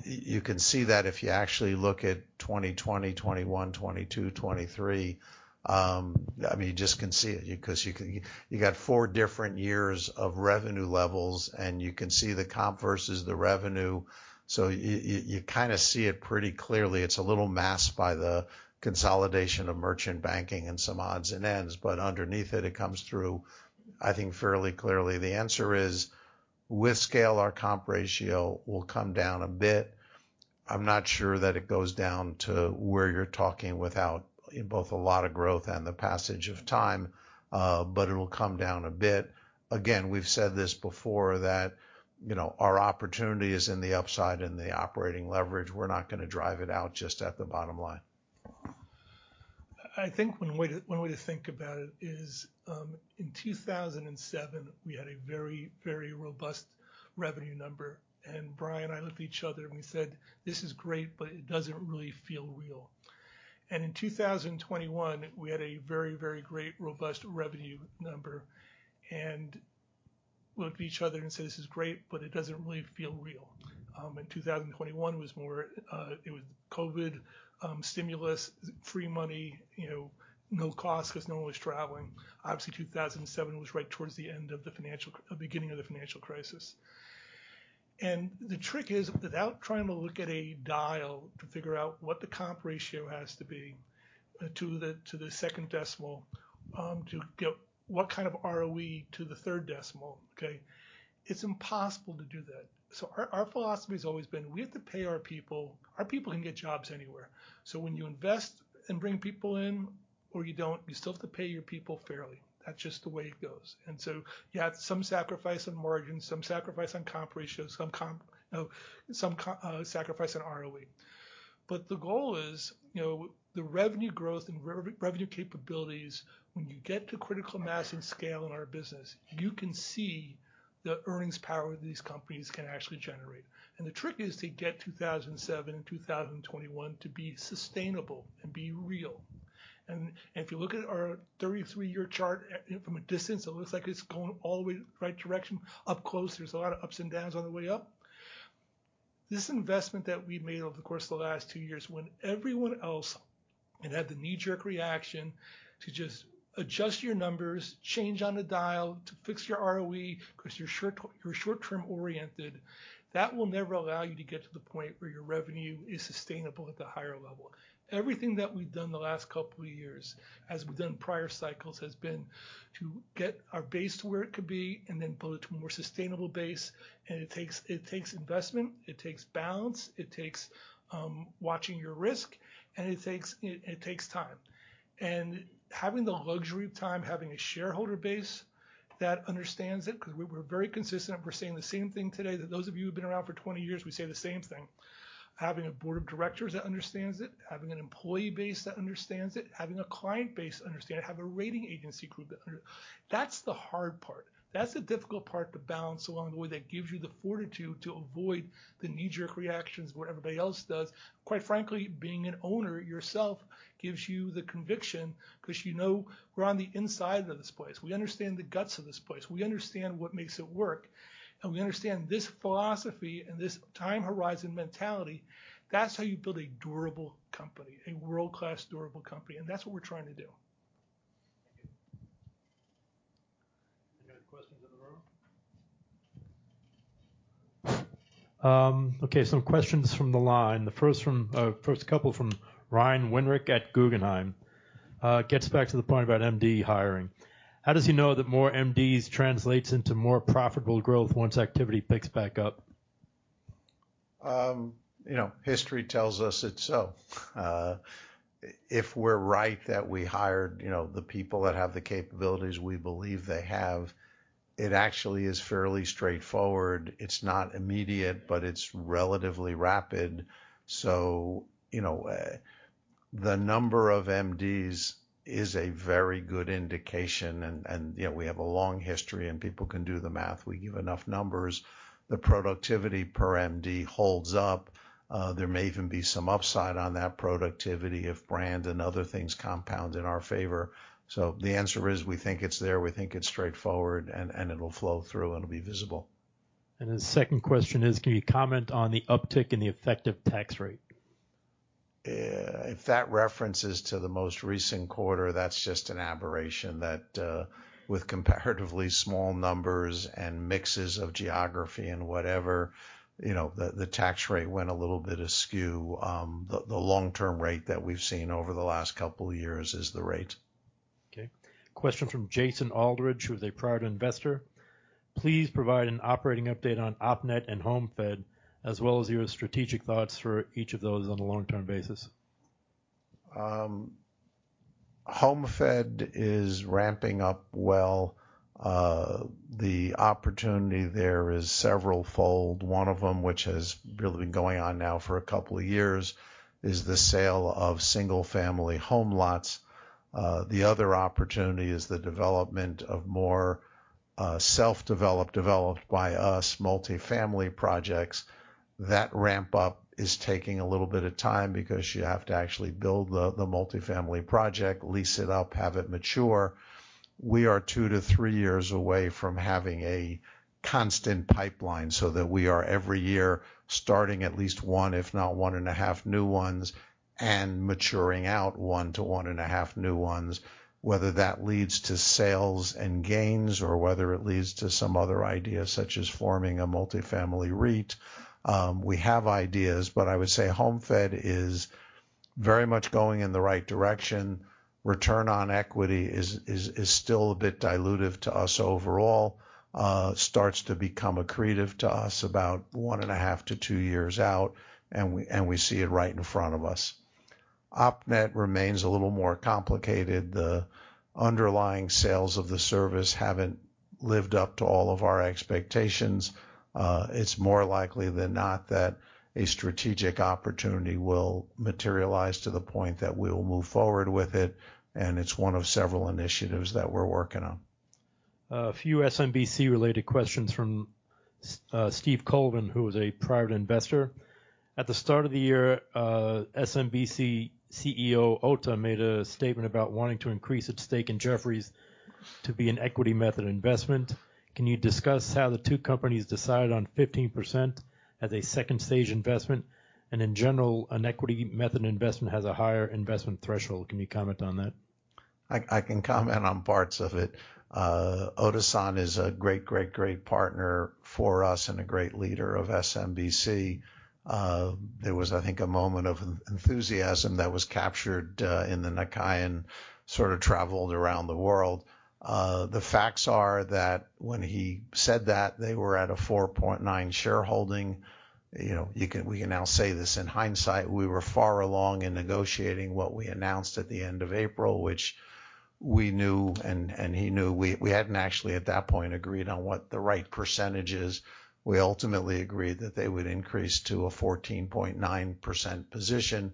Speaker 2: You can see that if you actually look at 2020, 2021, 2022, 2023. I mean, you just can see it because you can, you got four different years of revenue levels, and you can see the comp versus the revenue. So you kind of see it pretty clearly. It's a little masked by the consolidation of merchant banking and some odds and ends, but underneath it, it comes through, I think, fairly clearly. The answer is, with scale, our comp ratio will come down a bit. I'm not sure that it goes down to where you're talking without both a lot of growth and the passage of time, but it'll come down a bit. Again, we've said this before, that, you know, our opportunity is in the upside and the operating leverage. We're not going to drive it out just at the bottom line.
Speaker 1: I think one way to think about it is, in 2007, we had a very, very robust revenue number, and Brian and I looked at each other, and we said: "This is great, but it doesn't really feel real." In 2021, we had a very, very great robust revenue number and looked at each other and said: "This is great, but it doesn't really feel real." In 2021, it was more, it was COVID, stimulus, free money, you know, no cost because no one was traveling. Obviously, 2007 was right towards the beginning of the financial crisis. The trick is, without trying to look at a dial to figure out what the comp ratio has to be, to the second decimal, to get what kind of ROE to the third decimal, okay? It's impossible to do that. Our philosophy has always been: we have to pay our people. Our people can get jobs anywhere. So when you invest and bring people in or you don't, you still have to pay your people fairly. That's just the way it goes. And so you have some sacrifice on margin, some sacrifice on comp ratio, some comp. You know, some sacrifice on ROE. But the goal is, you know, the revenue growth and revenue capabilities, when you get to critical mass and scale in our business, you can see the earnings power these companies can actually generate. The trick is to get 2007 and 2021 to be sustainable and be real. And, and if you look at our 33-year chart, from a distance, it looks like it's going all the way, right direction. Up close, there's a lot of ups and downs on the way up. This investment that we've made over the course of the last 2 years, when everyone else, it had the knee-jerk reaction to just adjust your numbers, change on the dial to fix your ROE, because you're short, you're short-term oriented, that will never allow you to get to the point where your revenue is sustainable at the higher level. Everything that we've done the last couple of years, as we've done in prior cycles, has been to get our base to where it could be and then pull it to a more sustainable base. It takes, it takes investment, it takes balance, it takes watching your risk, and it takes, it, it takes time. Having the luxury of time, having a shareholder base that understands it, because we're very consistent, we're saying the same thing today, that those of you who've been around for 20 years, we say the same thing. Having a board of directors that understands it, having an employee base that understands it, having a client base understand, have a rating agency group that under. That's the hard part. That's the difficult part to balance along the way that gives you the fortitude to avoid the knee-jerk reactions, what everybody else does. Quite frankly, being an owner yourself gives you the conviction because you know we're on the inside of this place. We understand the guts of this place. We understand what makes it work, and we understand this philosophy and this time horizon mentality. That's how you build a durable company, a world-class, durable company, and that's what we're trying to do.
Speaker 10: Questions in the room? Okay, some questions from the line. The first from, first couple from Ryan Winrick at Guggenheim. Gets back to the point about MD hiring. How does he know that more MDs translates into more profitable growth once activity picks back up?
Speaker 2: You know, history tells us it's so. If we're right that we hired, you know, the people that have the capabilities we believe they have, it actually is fairly straightforward. It's not immediate, but it's relatively rapid. So, you know, the number of MDs is a very good indication, and, and, you know, we have a long history, and people can do the math. We give enough numbers. The productivity per MD holds up. There may even be some upside on that productivity if brand and other things compound in our favor. So the answer is, we think it's there, we think it's straightforward, and, and it'll flow through, and it'll be visible.
Speaker 10: His second question is: Can you comment on the uptick in the effective tax rate?
Speaker 2: If that reference is to the most recent quarter, that's just an aberration that, with comparatively small numbers and mixes of geography and whatever, you know, the tax rate went a little bit askew. The long-term rate that we've seen over the last couple of years is the rate.
Speaker 10: Okay. Question from Jason Aldridge, who is a prior investor. Please provide an operating update on OpNet and HomeFed, as well as your strategic thoughts for each of those on a long-term basis.
Speaker 2: HomeFed is ramping up well. The opportunity there is severalfold. One of them, which has really been going on now for a couple of years, is the sale of single-family home lots. The other opportunity is the development of more, self-developed, developed by us, multifamily projects. That ramp up is taking a little bit of time because you have to actually build the multifamily project, lease it up, have it mature. We are 2-three years away from having a constant pipeline, so that we are, every year, starting at least one, if not one and a half, new ones and maturing out one to one and a half new ones. Whether that leads to sales and gains, or whether it leads to some other ideas, such as forming a multifamily REIT. We have ideas, but I would say HomeFed is very much going in the right direction. Return on equity is still a bit dilutive to us overall. Starts to become accretive to us about 1.5-2 years out, and we see it right in front of us. OpNet remains a little more complicated. The underlying sales of the service haven't lived up to all of our expectations. It's more likely than not that a strategic opportunity will materialize to the point that we'll move forward with it, and it's one of several initiatives that we're working on.
Speaker 10: A few SMBC-related questions from Steve Colvin, who is a private investor. At the start of the year, SMBC CEO, Ota, made a statement about wanting to increase its stake in Jefferies to be an equity method investment. Can you discuss how the two companies decided on 15% as a second-stage investment? And in general, an equity method investment has a higher investment threshold. Can you comment on that?
Speaker 2: I can comment on parts of it. Ota-san is a great, great, great partner for us and a great leader of SMBC. There was, I think, a moment of enthusiasm that was captured in the Nikkei and sort of traveled around the world. The facts are that when he said that, they were at a 4.9 shareholding. You know, we can now say this in hindsight, we were far along in negotiating what we announced at the end of April, which we knew and he knew. We hadn't actually, at that point, agreed on what the right percentage is. We ultimately agreed that they would increase to a 14.9% position.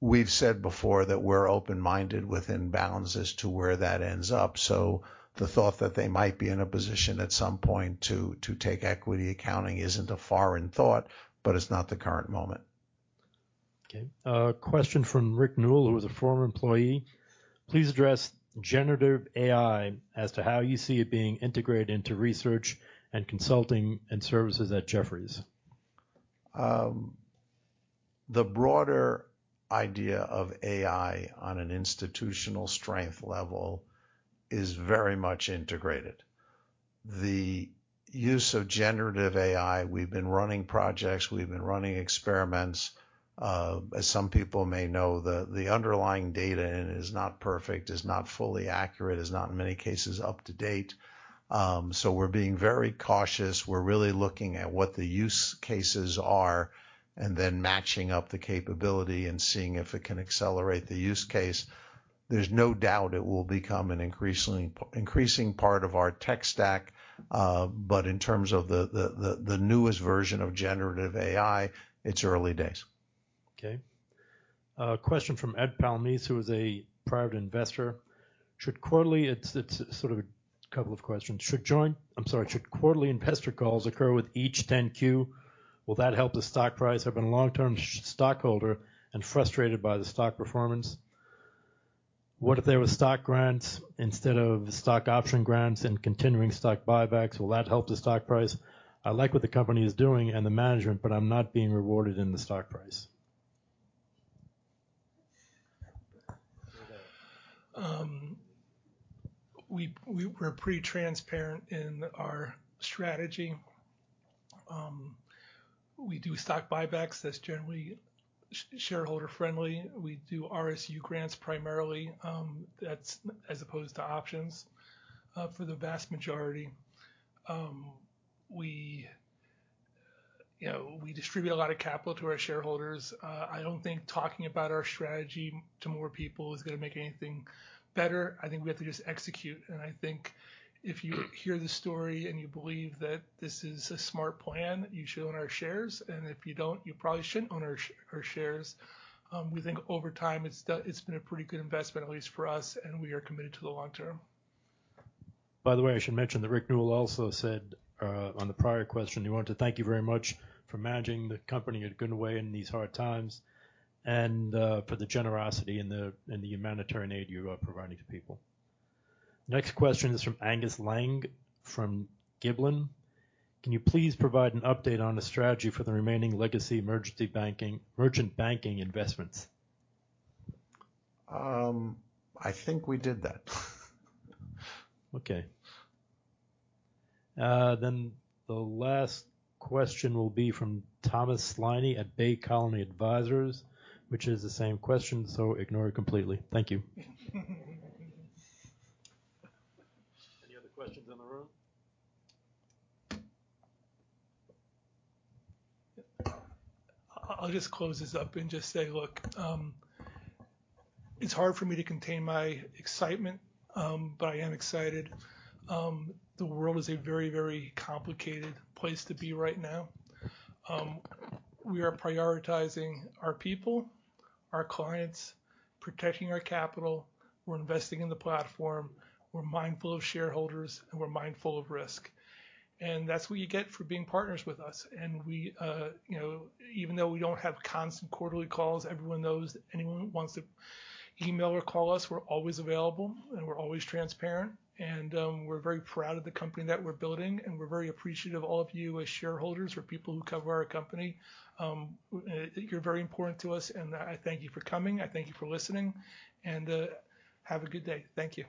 Speaker 2: We've said before that we're open-minded within bounds as to where that ends up. The thought that they might be in a position at some point to take equity accounting isn't a foreign thought, but it's not the current moment.
Speaker 10: Okay. A question from Rick Newell, who is a former employee. Please address generative AI as to how you see it being integrated into research and consulting and services at Jefferies.
Speaker 2: The broader idea of AI on an institutional strength level is very much integrated. The use of generative AI, we've been running projects, we've been running experiments. As some people may know, the underlying data in it is not perfect, is not fully accurate, is not, in many cases, up to date. So we're being very cautious. We're really looking at what the use cases are and then matching up the capability and seeing if it can accelerate the use case. There's no doubt it will become an increasingly increasing part of our tech stack, but in terms of the newest version of generative AI, it's early days.
Speaker 10: Okay. A question from Ed Palmese, who is a private investor. It's sort of a couple of questions. Should quarterly investor calls occur with each 10-Q? Will that help the stock price? I've been a long-term shareholder and frustrated by the stock performance. What if there were stock grants instead of stock option grants and continuing stock buybacks, will that help the stock price? I like what the company is doing and the management, but I'm not being rewarded in the stock price.
Speaker 1: We, we're pretty transparent in our strategy. We do stock buybacks. That's generally shareholder friendly. We do RSU grants primarily, that's as opposed to options, for the vast majority. You know, we distribute a lot of capital to our shareholders. I don't think talking about our strategy to more people is gonna make anything better. I think we have to just execute, and I think if you hear the story and you believe that this is a smart plan, you should own our shares, and if you don't, you probably shouldn't own our shares. We think over time, it's been a pretty good investment, at least for us, and we are committed to the long term.
Speaker 2: By the way, I should mention that Rick Newell also said, on the prior question, he wanted to thank you very much for managing the company in a good way in these hard times, and, for the generosity and the humanitarian aid you are providing to people.
Speaker 10: Next question is from Angus Lang, from Gabelli. "Can you please provide an update on the strategy for the remaining legacy emergency banking merchant banking investments?
Speaker 2: I think we did that.
Speaker 10: Okay. Then the last question will be from Thomas Sliney at Bay Colony Advisors, which is the same question, so ignore it completely. Thank you. Any other questions in the room?
Speaker 1: I'll just close this up and just say, look, it's hard for me to contain my excitement, but I am excited. The world is a very, very complicated place to be right now. We are prioritizing our people, our clients, protecting our capital. We're investing in the platform. We're mindful of shareholders, and we're mindful of risk. And that's what you get for being partners with us. And we, you know, even though we don't have constant quarterly calls, everyone knows anyone who wants to email or call us, we're always available, and we're always transparent, and we're very proud of the company that we're building, and we're very appreciative of all of you as shareholders or people who cover our company. You're very important to us, and I thank you for coming. I thank you for listening, and have a good day. Thank you.